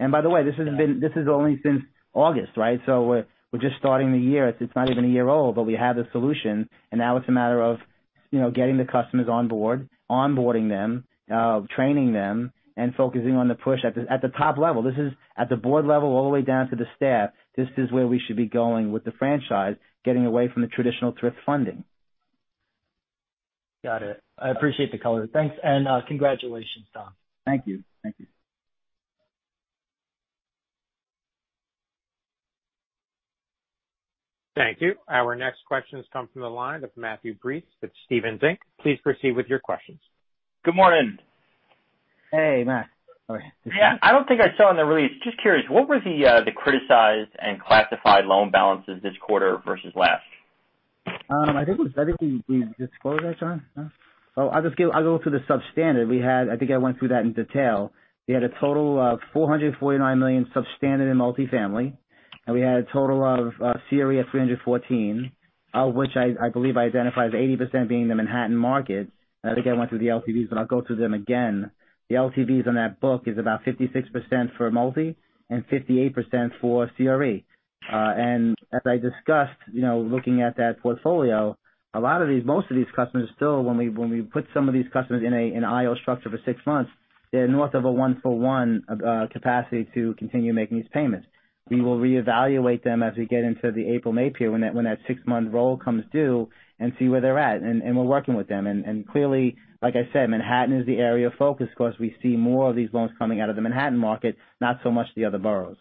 And by the way, this has been. This is only since August, right? So we're just starting the year. It's not even a year old, but we have the solution. And now it's a matter of getting the customers on board, onboarding them, training them, and focusing on the push at the top level. This is at the board level all the way down to the staff. This is where we should be going with the franchise, getting away from the traditional thrift funding. Got it. I appreciate the color. Thanks and congratulations, Tom. Thank you. Thank you. Thank you. Our next questions come from the line of Matthew Breese with Stephens Inc. Please proceed with your questions. Good morning. Hey, Matt. Yeah. I don't think I saw in the release. Just curious, what were the criticized and classified loan balances this quarter versus last? I think we disclosed that, John. I'll go through the substandard. I think I went through that in detail. We had a total of $449 million substandard and multifamily. We had a total of CRE at $314 million, of which I believe I identify as 80% being the Manhattan market. I think I went through the LTVs, but I'll go through them again. The LTVs on that book is about 56% for multi and 58% for CRE. And as I discussed, looking at that portfolio, a lot of these, most of these customers still, when we put some of these customers in an IO structure for six months, they're north of a one-for-one capacity to continue making these payments. We will reevaluate them as we get into the April/May period when that six-month roll comes due and see where they're at. And we're working with them. And clearly, like I said, Manhattan is the area of focus because we see more of these loans coming out of the Manhattan market, not so much the other boroughs.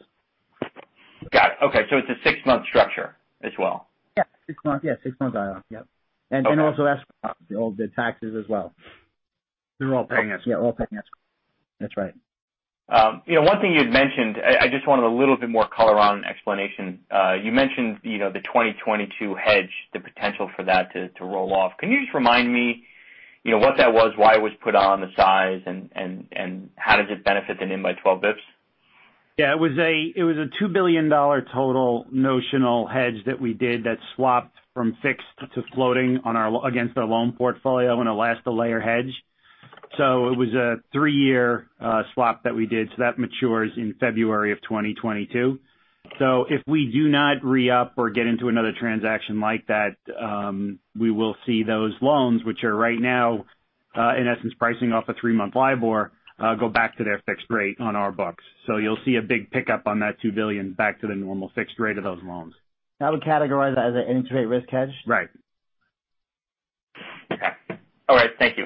Got it. Okay. So it's a six-month structure as well. Yeah. Six-month IO. Yep. And also, escrow, all the taxes as well. They're all paying escrow. Yeah. All paying escrow. That's right. One thing you had mentioned. I just wanted a little bit more color on explanation. You mentioned the 2022 hedge, the potential for that to roll off. Can you just remind me what that was, why it was put on, the size, and how does it benefit the NIM 12 bps? Yeah. It was a $2 billion total notional hedge that we did that swapped from fixed to floating against our loan portfolio on a last-of-layer hedge. So, it was a three-year swap that we did. So that matures in February of 2022. So, if we do not re-up or get into another transaction like that, we will see those loans, which are right now, in essence, pricing off a three-month LIBOR, go back to their fixed rate on our books. So, you'll see a big pickup on that $2 billion back to the normal fixed rate of those loans. I would categorize that as an interest rate risk hedge. Right. Okay. All right. Thank you,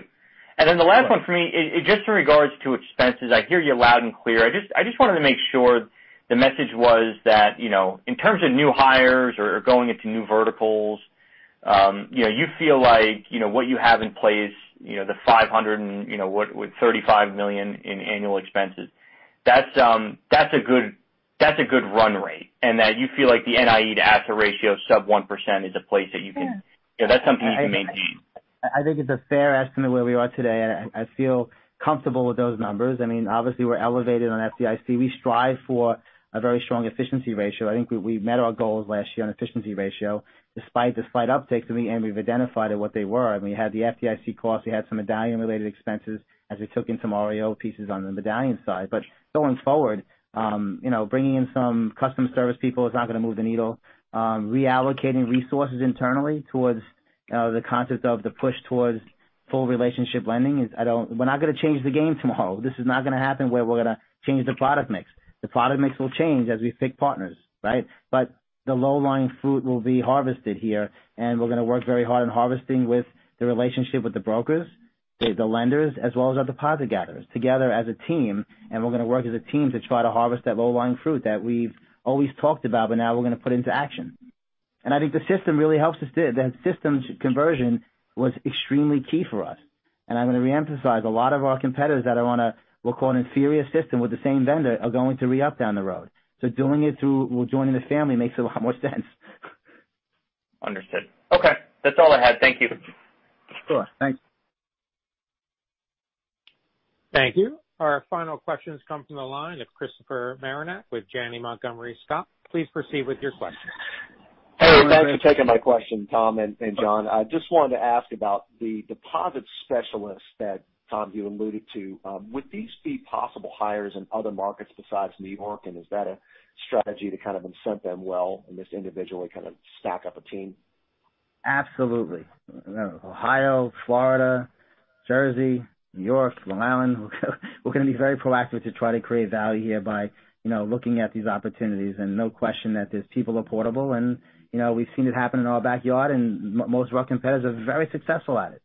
and then the last one for me, just in regards to expenses. I hear you loud and clear. I just wanted to make sure the message was that in terms of new hires or going into new verticals, you feel like what you have in place, the 500 and 35 million in annual expenses, that's a good run rate, and that you feel like the NIE to assets ratio sub 1% is a place that's something you can maintain. I think it's a fair estimate where we are today. I feel comfortable with those numbers. I mean, obviously, we're elevated on FDIC. We strive for a very strong efficiency ratio. I think we met our goals last year on efficiency ratio despite the slight upticks, and we've identified what they were. We had the FDIC costs. We had some medallion-related expenses as we took in some REO pieces on the medallion side. Going forward, bringing in some customer service people is not going to move the needle. Reallocating resources internally towards the concept of the push towards full relationship lending is, we're not going to change the game tomorrow. This is not going to happen where we're going to change the product mix. The product mix will change as we pick partners, right? The low-hanging fruit will be harvested here. We're going to work very hard in harvesting with the relationship with the brokers, the lenders, as well as our deposit gatherers together as a team. We're going to work as a team to try to harvest that low-hanging fruit that we've always talked about, but now we're going to put into action. I think the system really helps us do it. That system conversion was extremely key for us. And I'm going to reemphasize a lot of our competitors that are on a, we'll call it, inferior system with the same vendor are going to re-up down the road. So doing it through, well, joining the family makes a lot more sense. Understood. Okay. That's all I had. Thank you. Sure. Thanks. Thank you. Our final questions come from the line of Christopher Marinac with Janney Montgomery Scott. Please proceed with your questions. Hey. Thanks for taking my question, Tom and John. I just wanted to ask about the deposit specialists that, Tom, you alluded to. Would these be possible hires in other markets besides New York? And is that a strategy to kind of incent them well and just individually kind of stack up a team? Absolutely. Ohio, Florida, Jersey, New York, Long Island, we're going to be very proactive to try to create value here by looking at these opportunities. And no question that these people are portable. And we've seen it happen in our backyard. And most of our competitors are very successful at it.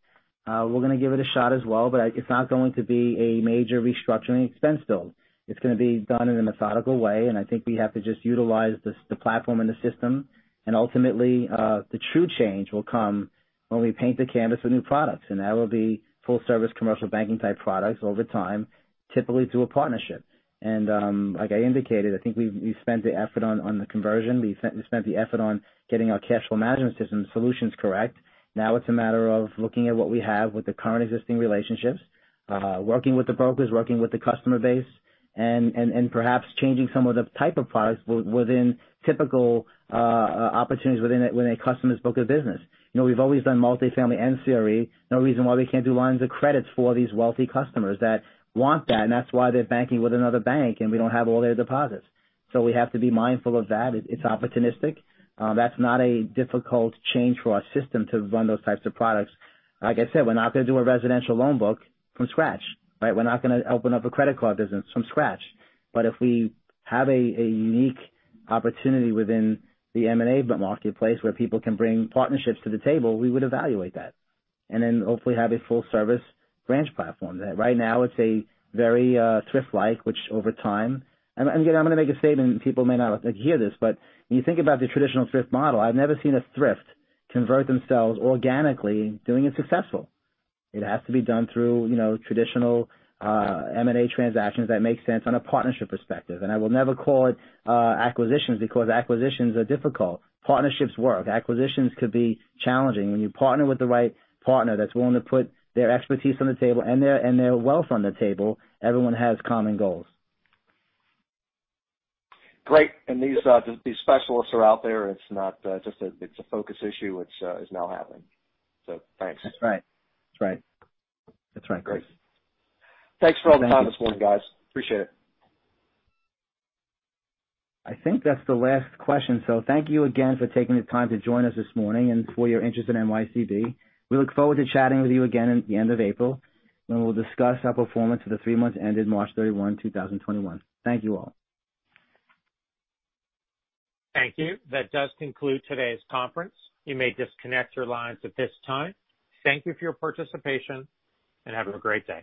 We're going to give it a shot as well. But it's not going to be a major restructuring expense build. It's going to be done in a methodical way. And I think we have to just utilize the platform and the system. And ultimately, the true change will come when we paint the canvas with new products. And that will be full-service commercial banking-type products over time, typically through a partnership. And like I indicated, I think we spent the effort on the conversion. We spent the effort on getting our cash flow management system solutions correct. Now it's a matter of looking at what we have with the current existing relationships, working with the brokers, working with the customer base, and perhaps changing some of the type of products within typical opportunities within a customer's book of business. We've always done multifamily and CRE. No reason why we can't do lines of credit for these wealthy customers that want that. And that's why they're banking with another bank, and we don't have all their deposits. So, we have to be mindful of that. It's opportunistic. That's not a difficult change for our system to run those types of products. Like I said, we're not going to do a residential loan book from scratch, right? We're not going to open up a credit card business from scratch. But if we have a unique opportunity within the M&A marketplace where people can bring partnerships to the table, we would evaluate that. And then hopefully have a full-service branch platform. Right now, it's a very thrift-like, which over time, and again, I'm going to make a statement, and people may not hear this. But when you think about the traditional thrift model, I've never seen a thrift convert themselves organically, doing it successfully. It has to be done through traditional M&A transactions that make sense on a partnership perspective. And I will never call it acquisitions because acquisitions are difficult. Partnerships work. Acquisitions could be challenging. When you partner with the right partner that's willing to put their expertise on the table and their wealth on the table, everyone has common goals. Great. And these specialists are out there. It's not just a focus issue. It's now happening. So thanks. That's right. Great. Thanks for all the time this morning, guys. Appreciate it. I think that's the last question. So thank you again for taking the time to join us this morning and for your interest in NYCB. We look forward to chatting with you again at the end of April when we'll discuss our performance for the three months ended March 31, 2021. Thank you all. That does conclude today's conference. You may disconnect your lines at this time. Thank you for your participation, and have a great day.